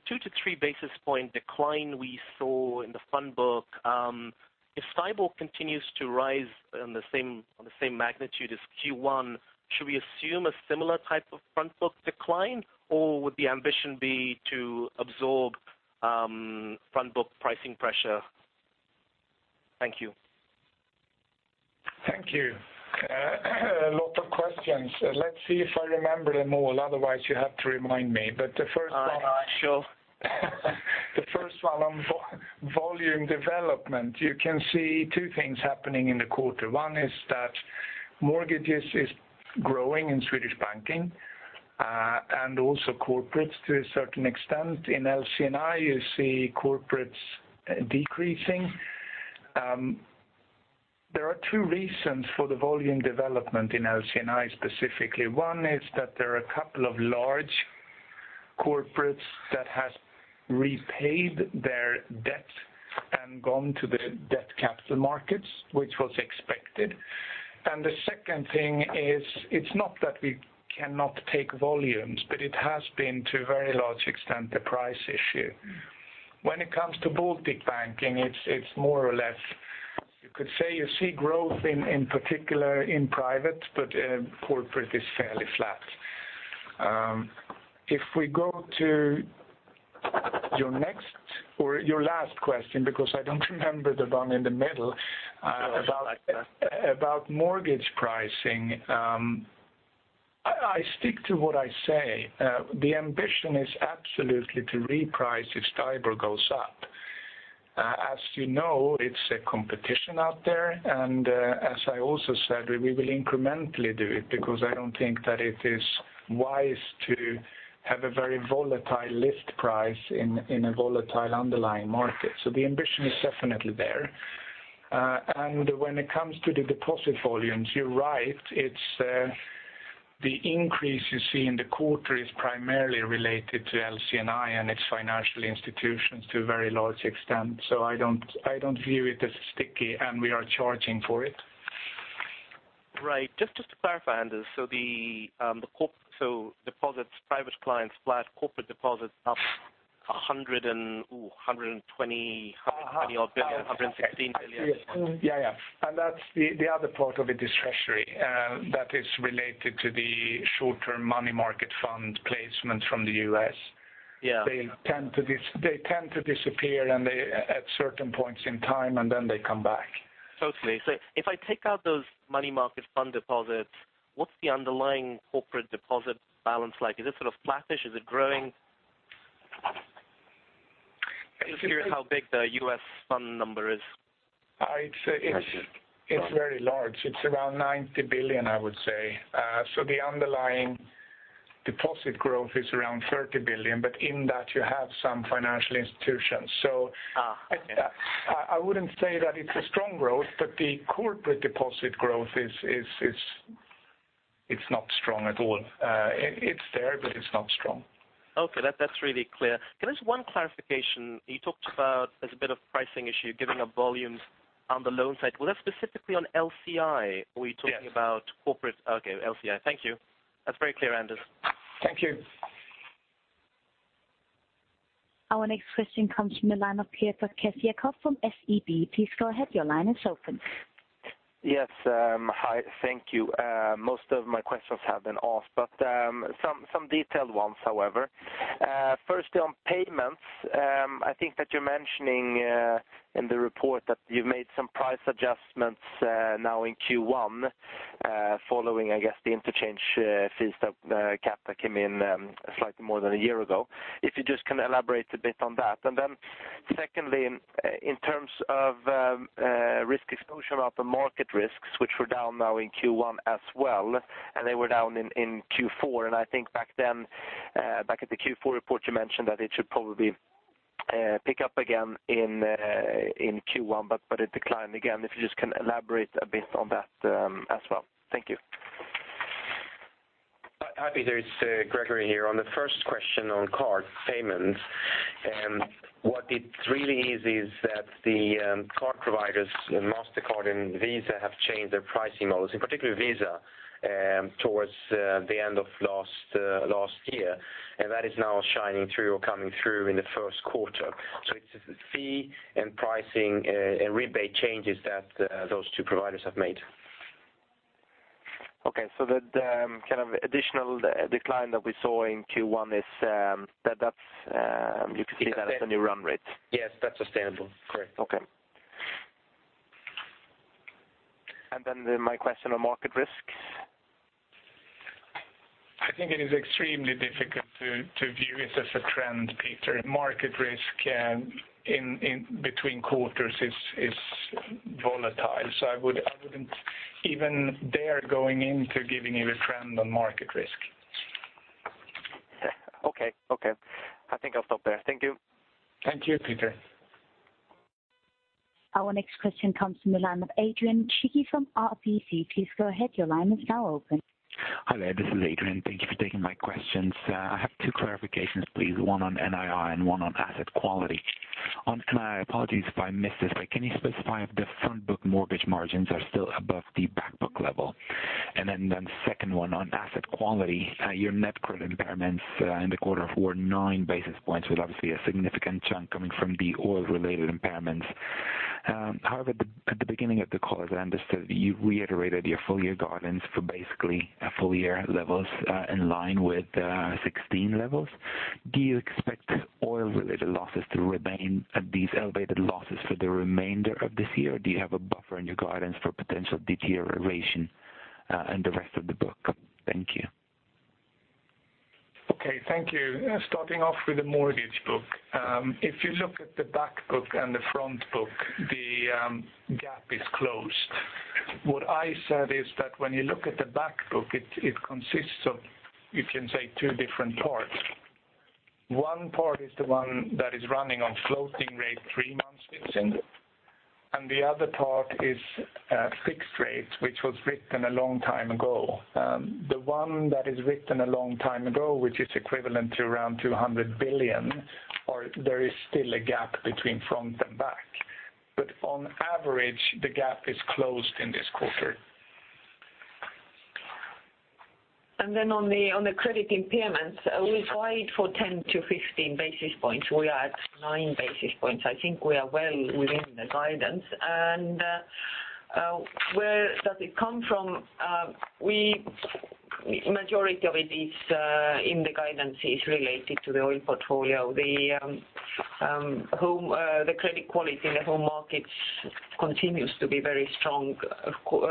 basis point decline we saw in the fund book, if STIBOR continues to rise on the same, on the same magnitude as Q1, should we assume a similar type of front book decline, or would the ambition be to absorb front book pricing pressure? Thank you. Thank you. A lot of questions. Let's see if I remember them all, otherwise you have to remind me. But the first one- All right. Sure. The first one on volume development, you can see two things happening in the quarter. One is that mortgages is growing in Swedish Banking, and also corporates to a certain extent. In LCNI, you see corporates decreasing. There are two reasons for the volume development in LCNI, specifically. One is that there are a couple of large corporates that has repaid their debt and gone to the debt capital markets, which was expected. And the second thing is, it's not that we cannot take volumes, but it has been, to a very large extent, a price issue. When it comes to Baltic Banking, it's more or less, you could say you see growth in particular in private, but corporate is fairly flat. If we go to your next or your last question, because I don't remember the one in the middle. Sure. about mortgage pricing. I stick to what I say. The ambition is absolutely to reprice if STIBOR goes up. As you know, it's a competition out there, and as I also said, we will incrementally do it, because I don't think that it is wise to have a very volatile lift price in a volatile underlying market. So the ambition is definitely there. And when it comes to the deposit volumes, you're right, it's the increase you see in the quarter is primarily related to LCNI and its financial institutions to a very large extent. So I don't view it as sticky, and we are charging for it. Right. Just, just to clarify, Anders, so the corporate deposits, private clients flat, corporate deposits up 100 and, uh, 120, 100 and odd billion, 116 billion. Yeah, yeah. And that's the other part of it is treasury that is related to the short-term money market fund placement from the US. Yeah. They tend to disappear, and they, at certain points in time, and then they come back. Totally. So if I take out those money market fund deposits, what's the underlying corporate deposit balance like? Is it sort of flattish? Is it growing? Curious how big the US fund number is? It's very large. It's around 90 billion, I would say. So the underlying deposit growth is around 30 billion, but in that, you have some financial institutions. Ah, okay. I wouldn't say that it's a strong growth, but the corporate deposit growth is not strong at all. It's there, but it's not strong. Okay, that's really clear. Can I ask one clarification? You talked about as a bit of pricing issue, giving up volumes on the loan side. Was that specifically on LCI- Yes. -or were you talking about corporate? Okay, LCI. Thank you. That's very clear, Anders. Thank you. Our next question comes from the line of Peter Kessiakoff from SEB. Please go ahead. Your line is open. Yes, hi. Thank you. Most of my questions have been asked, but some detailed ones, however. Firstly, on payments, I think that you're mentioning in the report that you've made some price adjustments now in Q1 following, I guess, the interchange fees that cap that came in slightly more than a year ago. If you just can elaborate a bit on that. And then, secondly, in terms of risk exposure of the market risks, which were down now in Q1 as well, and they were down in Q4, and I think back then, back at the Q4 report, you mentioned that it should probably pick up again in Q1, but it declined again. If you just can elaborate a bit on that as well. Thank you. Hi, Peter, it's Gregori here. On the first question on card payments, what it really is, is that the card providers, Mastercard and Visa, have changed their pricing models, in particular Visa, towards the end of last year. And that is now shining through or coming through in the Q1. So it's a fee and pricing and rebate changes that those two providers have made. Okay. So the kind of additional decline that we saw in Q1 is, that, that's you can see that as the new run rate? Yes, that's sustainable. Correct. And then my question on market risk? I think it is extremely difficult to view it as a trend, Peter. Market risk in between quarters is volatile. So I would, I wouldn't even dare going into giving you a trend on market risk. Okay, okay. I think I'll stop there. Thank you. Thank you, Peter. Our next question comes from the line of Adrian Cighi from RBC. Please go ahead, your line is now open. Hi there, this is Adrian. Thank you for taking my questions. I have two clarifications, please, one on NII and one on asset quality. On NII, apologies if I missed this, but can you specify if the front book mortgage margins are still above the back book level? And then, the second one on asset quality, your net credit impairments in the quarter were nine basis points, with obviously a significant chunk coming from the oil-related impairments. However, at the beginning of the call, as I understood, you reiterated your full year guidance for basically a full year levels in line with 16 levels. Do you expect oil-related losses to remain at these elevated losses for the remainder of this year, or do you have a buffer in your guidance for potential deterioration in the rest of the book? Thank you. Okay, thank you. Starting off with the mortgage book. If you look at the back book and the front book, the gap is closed. What I said is that when you look at the back book, it consists of, you can say, two different parts. One part is the one that is running on floating rate three-month fixing, and the other part is fixed rate, which was written a long time ago. The one that is written a long time ago, which is equivalent to around 200 billion, or there is still a gap between front and back. But on average, the gap is closed in this quarter. Then on the credit impairments, we guide for 10-15 basis points. We are at nine basis points. I think we are well within the guidance. And where does it come from? Majority of it is in the guidance related to the oil portfolio. The credit quality in the home markets continues to be very strong. Of course,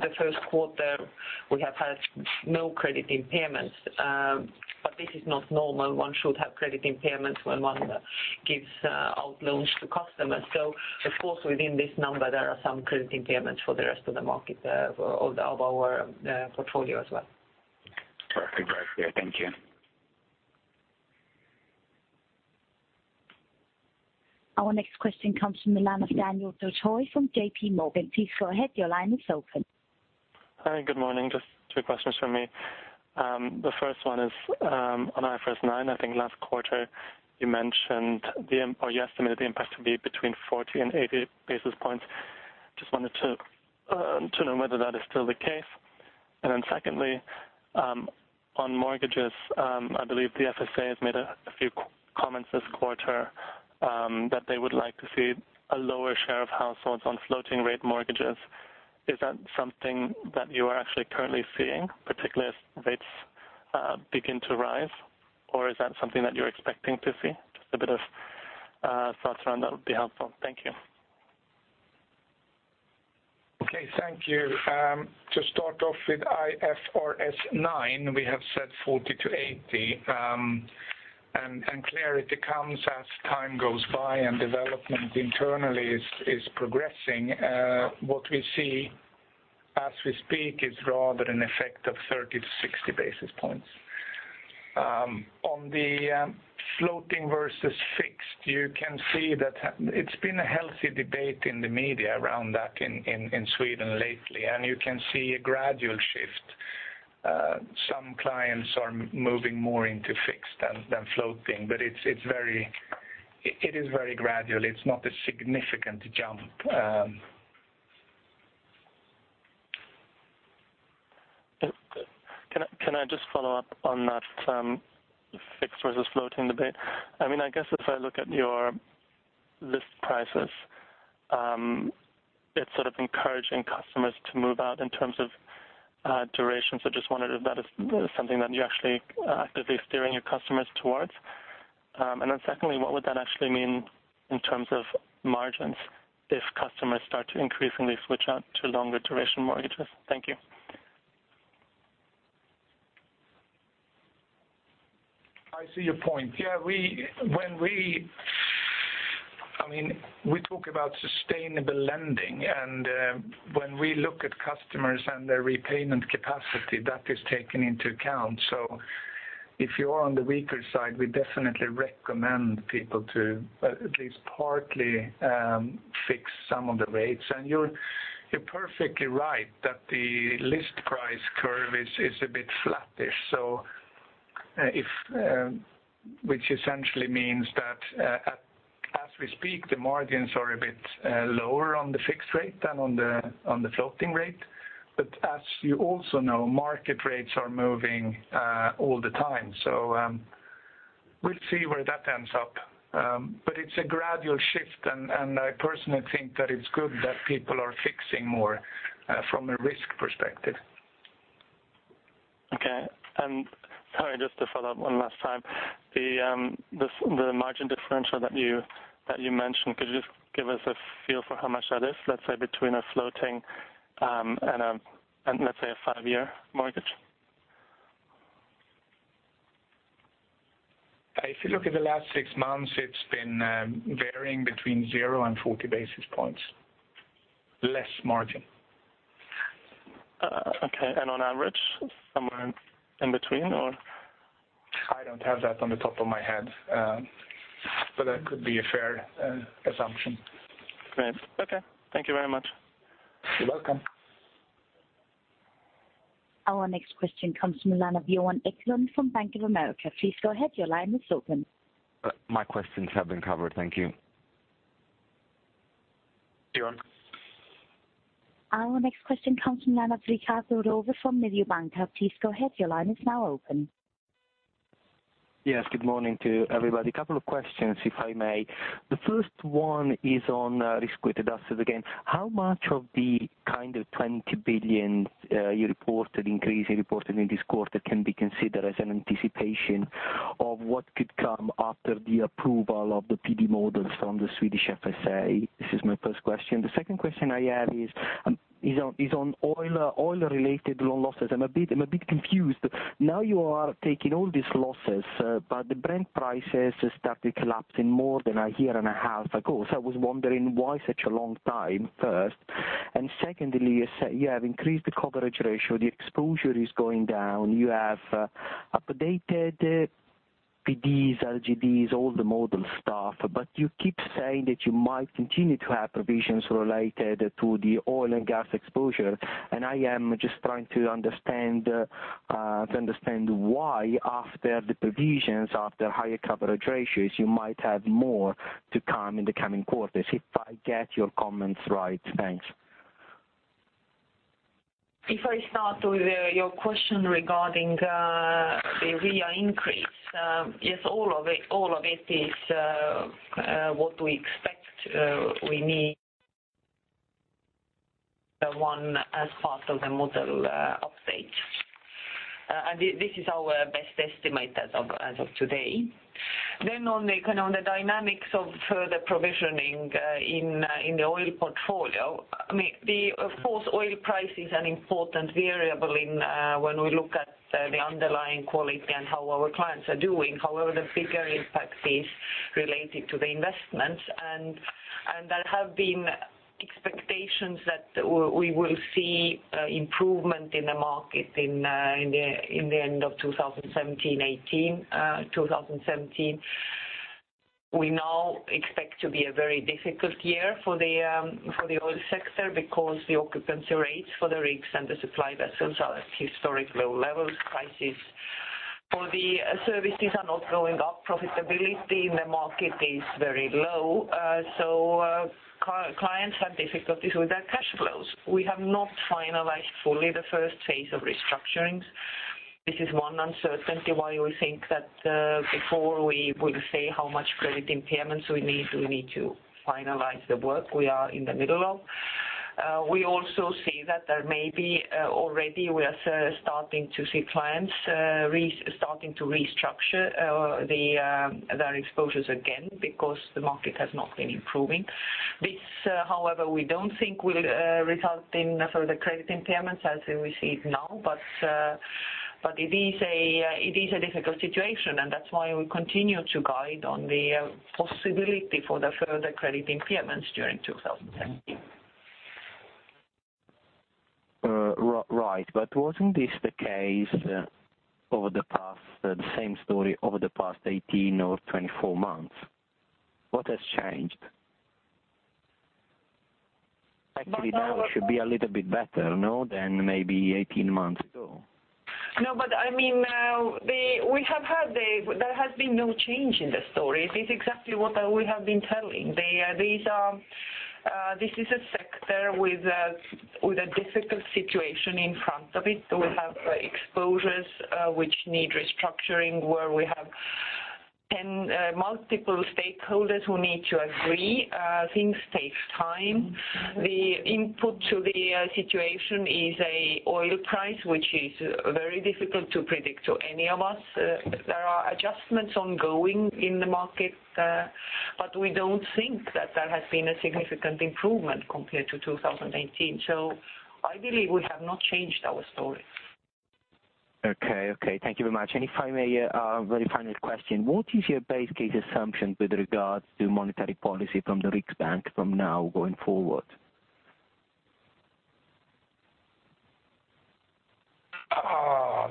the Q1, we have had no credit impairments, but this is not normal. One should have credit impairments when one gives out loans to customers. So of course, within this number, there are some credit impairments for the rest of the market, of our portfolio as well. Perfect, right? Yeah, thank you. Our next question comes from the line of Daniel Do-Thoi from JP Morgan. Please go ahead, your line is open. Hi, good morning. Just two questions from me. The first one is, on IFRS 9. I think last quarter you mentioned the, or you estimated the impact to be between 40 and 80 basis points. Just wanted to, to know whether that is still the case. And then secondly, on mortgages, I believe the FSA has made a, a few comments this quarter, that they would like to see a lower share of households on floating rate mortgages. Is that something that you are actually currently seeing, particularly as rates, begin to rise, or is that something that you're expecting to see? Just a bit of, thoughts around that would be helpful. Thank you. Okay, thank you. To start off with IFRS 9, we have said 40-80. And clearly it comes as time goes by and development internally is progressing. What we see as we speak is rather an effect of 30-60 basis points. On the floating versus fixed, you can see that it's been a healthy debate in the media around that in Sweden lately, and you can see a gradual shift. Some clients are moving more into fixed than floating, but it's very gradual. It's not a significant jump. Can I just follow up on that, fixed versus floating debate? I mean, I guess if I look at your list prices, it's sort of encouraging customers to move out in terms of duration. So just wondered if that is something that you're actually actively steering your customers towards. And then secondly, what would that actually mean in terms of margins if customers start to increasingly switch out to longer duration mortgages? Thank you. I see your point. Yeah, I mean, we talk about sustainable lending, and when we look at customers and their repayment capacity, that is taken into account. So if you are on the weaker side, we definitely recommend people to at least partly fix some of the rates. And you're perfectly right that the list price curve is a bit flattish. So which essentially means that as we speak, the margins are a bit lower on the fixed rate than on the floating rate. But as you also know, market rates are moving all the time. So we'll see where that ends up. But it's a gradual shift, and I personally think that it's good that people are fixing more from a risk perspective.... And sorry, just to follow up one last time. The margin differential that you mentioned, could you just give us a feel for how much that is, let's say, between a floating and let's say a five-year mortgage? If you look at the last six months, it's been, varying between zero and 40 basis points. Less margin. Okay, and on average, somewhere in between, or? I don't have that on the top of my head, but that could be a fair assumption. Great. Okay, thank you very much. You're welcome. Our next question comes from the line of Johan Ekblom from Bank of America. Please go ahead, your line is open. My questions have been covered. Thank you. Johan. Our next question comes from the line of Riccardo Rovere from Mediobanca. Please go ahead, your line is now open. Yes, good morning to everybody. A couple of questions, if I may. The first one is on risk-weighted assets again. How much of the kind of 20 billion increase you reported in this quarter can be considered as an anticipation of what could come after the approval of the PD models from the Swedish FSA? This is my first question. The second question I have is on oil-related loan losses. I'm a bit confused. Now you are taking all these losses, but the Brent prices started collapsing more than a year and a half ago. So I was wondering why such a long time, first? You say you have increased the coverage ratio, the exposure is going down, you have updated PDs, LGDs, all the model stuff, but you keep saying that you might continue to have provisions related to the oil and gas exposure. I am just trying to understand, to understand why, after the provisions, after higher coverage ratios, you might have more to come in the coming quarters. If I get your comments right, thanks. If I start with your question regarding the RIA increase. Yes, all of it, all of it is what we expect, we need the one as part of the model update. And this is our best estimate as of today. Then on the kind of the dynamics of further provisioning in the oil portfolio, I mean, the... Of course, oil price is an important variable in when we look at the underlying quality and how our clients are doing. However, the bigger impact is related to the investments, and there have been expectations that we will see improvement in the market in the end of 2017, 2018, 2017. We now expect to be a very difficult year for the oil sector because the occupancy rates for the rigs and the supply vessels are at historically low levels. Prices for the services are not going up. Profitability in the market is very low, so clients have difficulties with their cash flows. We have not finalized fully the first phase of restructurings. This is one uncertainty why we think that before we will say how much credit impairments we need, we need to finalize the work we are in the middle of. We also see that there may be already we are starting to see clients restarting to restructure their exposures again, because the market has not been improving. This, however, we don't think will result in further credit impairments as we see it now, but it is a difficult situation, and that's why we continue to guide on the possibility for the further credit impairments during 2017. Right, but wasn't this the case over the past, the same story over the past 18 or 24 months? What has changed? But, uh- Actually, now it should be a little bit better, no, than maybe 18 months ago. No, I mean, the... We have had a, there has been no change in the story. It is exactly what we have been telling. These, this is a sector with a difficult situation in front of it. We have exposures which need restructuring, where we have 10, multiple stakeholders who need to agree. Things take time. The input to the situation is an oil price, which is very difficult to predict to any of us. There are adjustments ongoing in the market, but we don't think that there has been a significant improvement compared to 2018. I believe we have not changed our story. Okay, okay. Thank you very much. And if I may, very final question. What is your base case assumption with regards to monetary policy from the Riksbank from now going forward?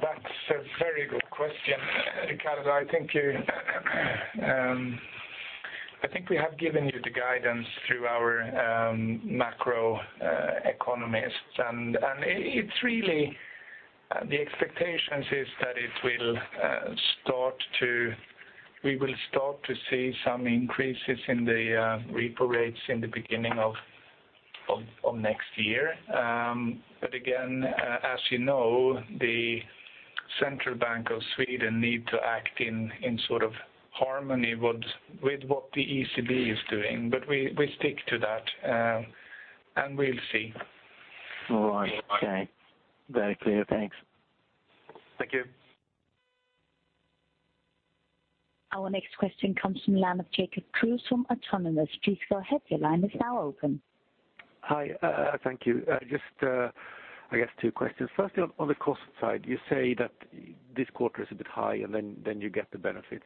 That's a very good question, Riccardo. I think you, I think we have given you the guidance through our macro economists. And it, it's really the expectations is that it will start to we will start to see some increases in the repo rates in the beginning of next year. But again, as you know, the Central Bank of Sweden need to act in sort of harmony with what the ECB is doing. But we stick to that and we'll see. All right. Okay, very clear. Thanks. Thank you. Our next question comes from the line of Jacob Kruse from Autonomous. Please go ahead, your line is now open. Hi, thank you. Just, I guess two questions. Firstly, on the cost side, you say that this quarter is a bit high, and then, then you get the benefits.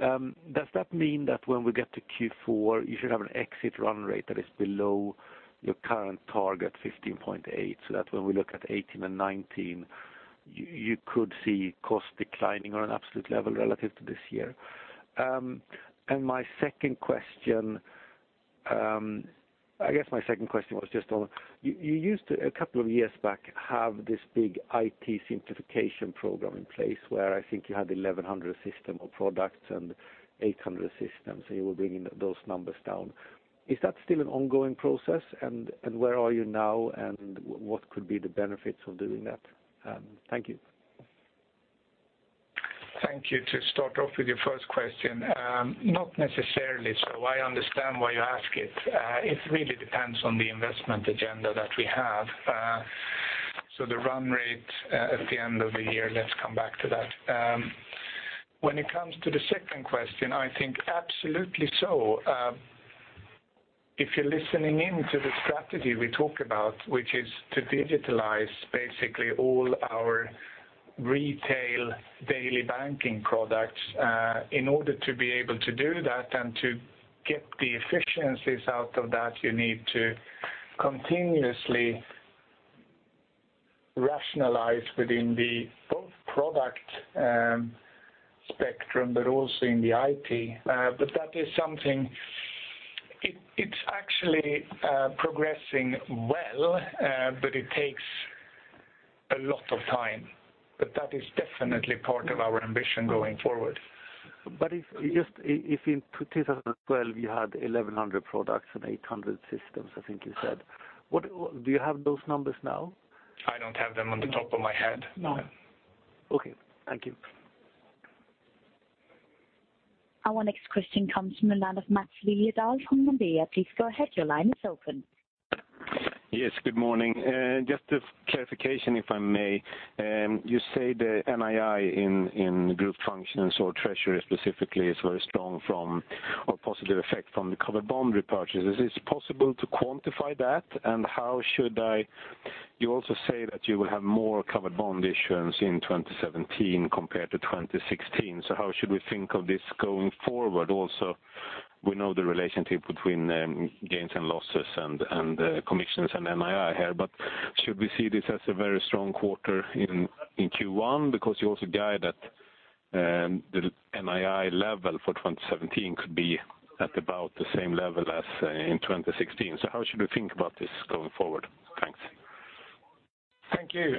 Does that mean that when we get to Q4, you should have an exit run rate that is below your current target 15.8, so that when we look at 2018 and 2019, you could see costs declining on an absolute level relative to this year? And my second question was just on, you used to, a couple of years back, have this big IT simplification program in place where I think you had 1,100 systems or products and 800 systems, so you were bringing those numbers down. Is that still an ongoing process? Where are you now, and what could be the benefits of doing that? Thank you. Thank you. To start off with your first question, not necessarily so. I understand why you ask it. It really depends on the investment agenda that we have. So the run rate at the end of the year, let's come back to that. When it comes to the second question, I think absolutely so. If you're listening in to the strategy we talk about, which is to digitalize basically all our retail daily banking products, in order to be able to do that and to get the efficiencies out of that, you need to continuously rationalize within the both product spectrum, but also in the IT. But that is something... It, it's actually progressing well, but it takes a lot of time. But that is definitely part of our ambition going forward. But if, just, if in 2012, you had 1,100 products and 800 systems, I think you said, what, do you have those numbers now? I don't have them on the top of my head. No. Okay, thank you. Our next question comes from the line of Maths Liljedahl from Nordea. Please go ahead, your line is open. Yes, good morning. Just a clarification, if I may. You say the NII in group functions or treasury specifically is very strong from, or positive effect from the covered bond repurchases. Is it possible to quantify that? And how should I... You also say that you will have more covered bond issuance in 2017 compared to 2016. So how should we think of this going forward? Also, we know the relationship between gains and losses and commissions and NII here. But should we see this as a very strong quarter in Q1? Because you also guide that the NII level for 2017 could be at about the same level as in 2016. So how should we think about this going forward? Thanks. Thank you.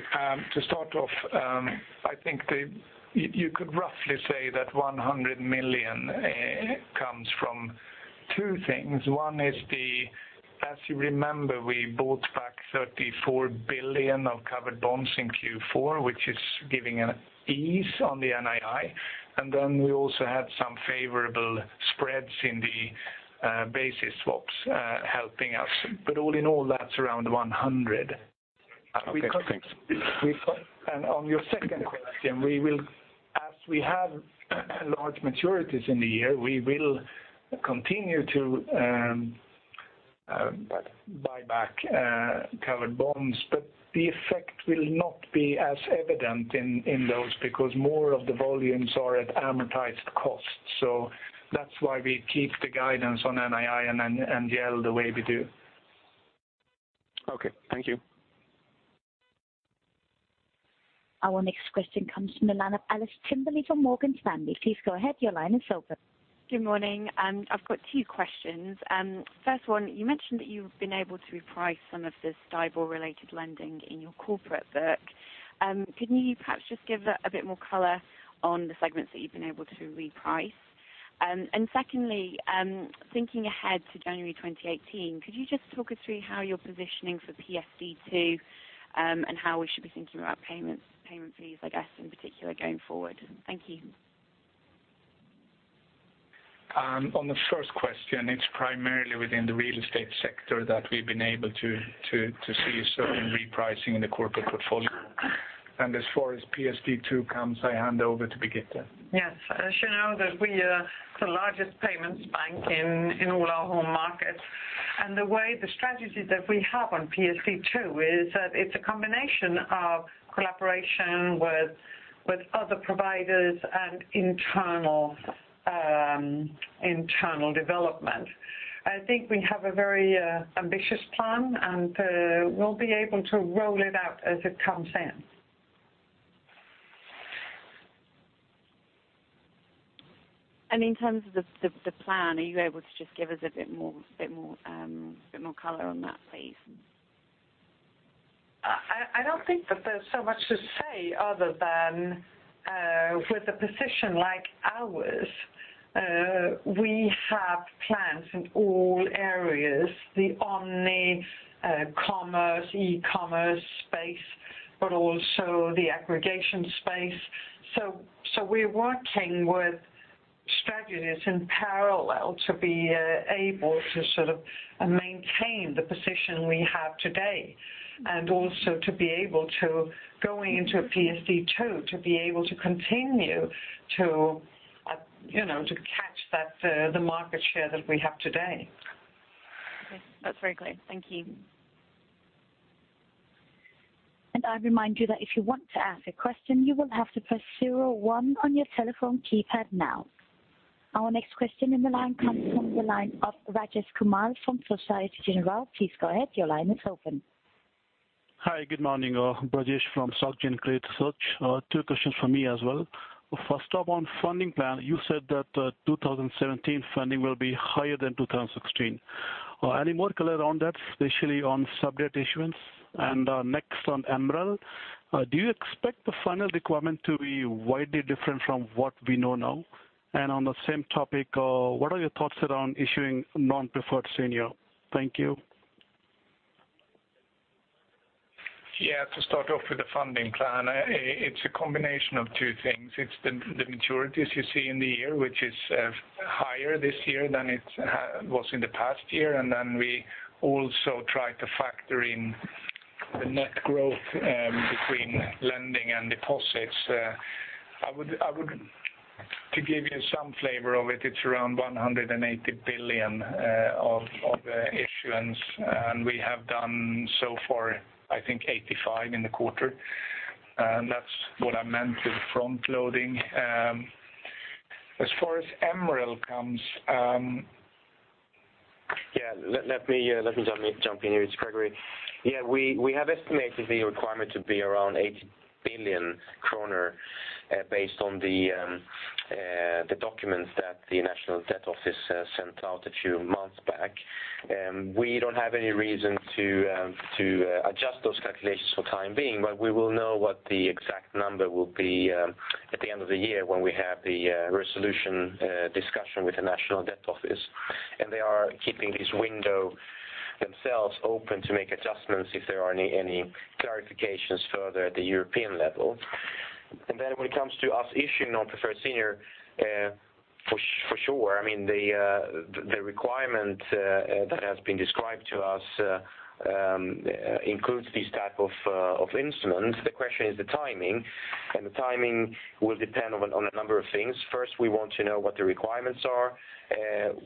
To start off, I think the, you, you could roughly say that 100 million comes from two things. One is the, as you remember, we bought back 34 billion of covered bonds in Q4, which is giving an ease on the NII. And then we also had some favorable spreads in the, basis swaps, helping us. But all in all, that's around 100 million. Okay, thanks. On your second question, we will, as we have large maturities in the year, we will continue to buy back covered bonds. The effect will not be as evident in those, because more of the volumes are at amortized costs. That's why we keep the guidance on NII and NDL the way we do. Okay, thank you. Our next question comes from the line of Alice Timperley from Morgan Stanley. Please go ahead, your line is open. Good morning, I've got two questions. First one, you mentioned that you've been able to reprice some of this IBOR-related lending in your corporate book. Could you perhaps just give a bit more color on the segments that you've been able to reprice? And secondly, thinking ahead to January 2018, could you just talk us through how you're positioning for PSD2, and how we should be thinking about payments, payment fees, I guess, in particular, going forward? Thank you. On the first question, it's primarily within the real estate sector that we've been able to see certain repricing in the corporate portfolio. As far as PSD2 comes, I hand over to Birgitte. Yes. As you know, that we are the largest payments bank in all our home markets. And the way the strategy that we have on PSD2 is that it's a combination of collaboration with other providers and internal development. I think we have a very ambitious plan, and we'll be able to roll it out as it comes in. In terms of the plan, are you able to just give us a bit more color on that, please? I, I don't think that there's so much to say other than, with a position like ours, we have plans in all areas, the omni, commerce, e-commerce space, but also the aggregation space. So, we're working strategies in parallel to be able to sort of maintain the position we have today, and also to be able to, going into PSD2, to be able to continue to, you know, to catch that, the market share that we have today. Okay. That's very clear. Thank you. I remind you that if you want to ask a question, you will have to press zero one on your telephone keypad now. Our next question in the line comes from the line of Rajesh Kumar from Société Générale. Please go ahead. Your line is open. Hi, good morning, Rajesh from Société Générale Credit Research. Two questions for me as well. First off, on funding plan, you said that, 2017 funding will be higher than 2016. Any more color on that, especially on subject issuance? Next on MREL, do you expect the final requirement to be widely different from what we know now? On the same topic, what are your thoughts around issuing non-preferred senior? Thank you. Yeah, to start off with the funding plan, it's a combination of two things. It's the maturities you see in the year, which is higher this year than it was in the past year. And then we also try to factor in the net growth between lending and deposits. I would... To give you some flavor of it, it's around 180 billion of issuance, and we have done so far, I think, 85 billion in the quarter. And that's what I meant with front loading. As far as MREL comes, Yeah, let me jump in here, it's Gregori Karamouzis. Yeah, we have estimated the requirement to be around 80 billion kronor based on the documents that the National Debt Office sent out a few months back. We don't have any reason to adjust those calculations for the time being, but we will know what the exact number will be at the end of the year when we have the resolution discussion with the National Debt Office. And they are keeping this window themselves open to make adjustments if there are any clarifications further at the European level. And then when it comes to us issuing non-preferred senior, for sure, I mean, the requirement that has been described to us includes these type of instruments. The question is the timing, and the timing will depend on a number of things. First, we want to know what the requirements are.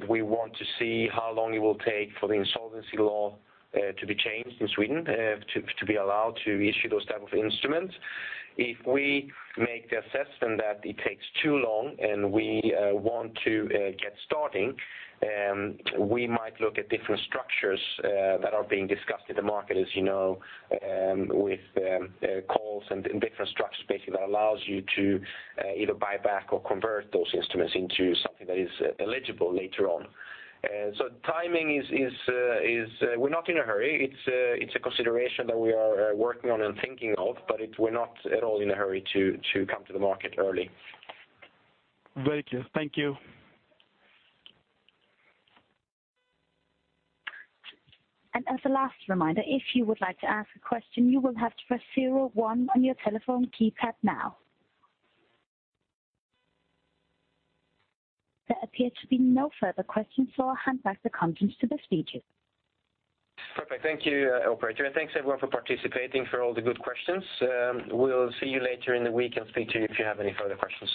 We want to see how long it will take for the insolvency law to be changed in Sweden to be allowed to issue those type of instruments. If we make the assessment that it takes too long and we want to get starting, we might look at different structures that are being discussed in the market, as you know, with calls and different structures, basically, that allows you to either buy back or convert those instruments into something that is eligible later on. So timing is, we're not in a hurry. It's a consideration that we are working on and thinking of, but we're not at all in a hurry to come to the market early. Very clear. Thank you. As a last reminder, if you would like to ask a question, you will have to press zero one on your telephone keypad now. There appears to be no further questions, so I'll hand back the conference to the speakers. Perfect. Thank you, operator, and thanks, everyone, for participating, for all the good questions. We'll see you later in the week and speak to you if you have any further questions.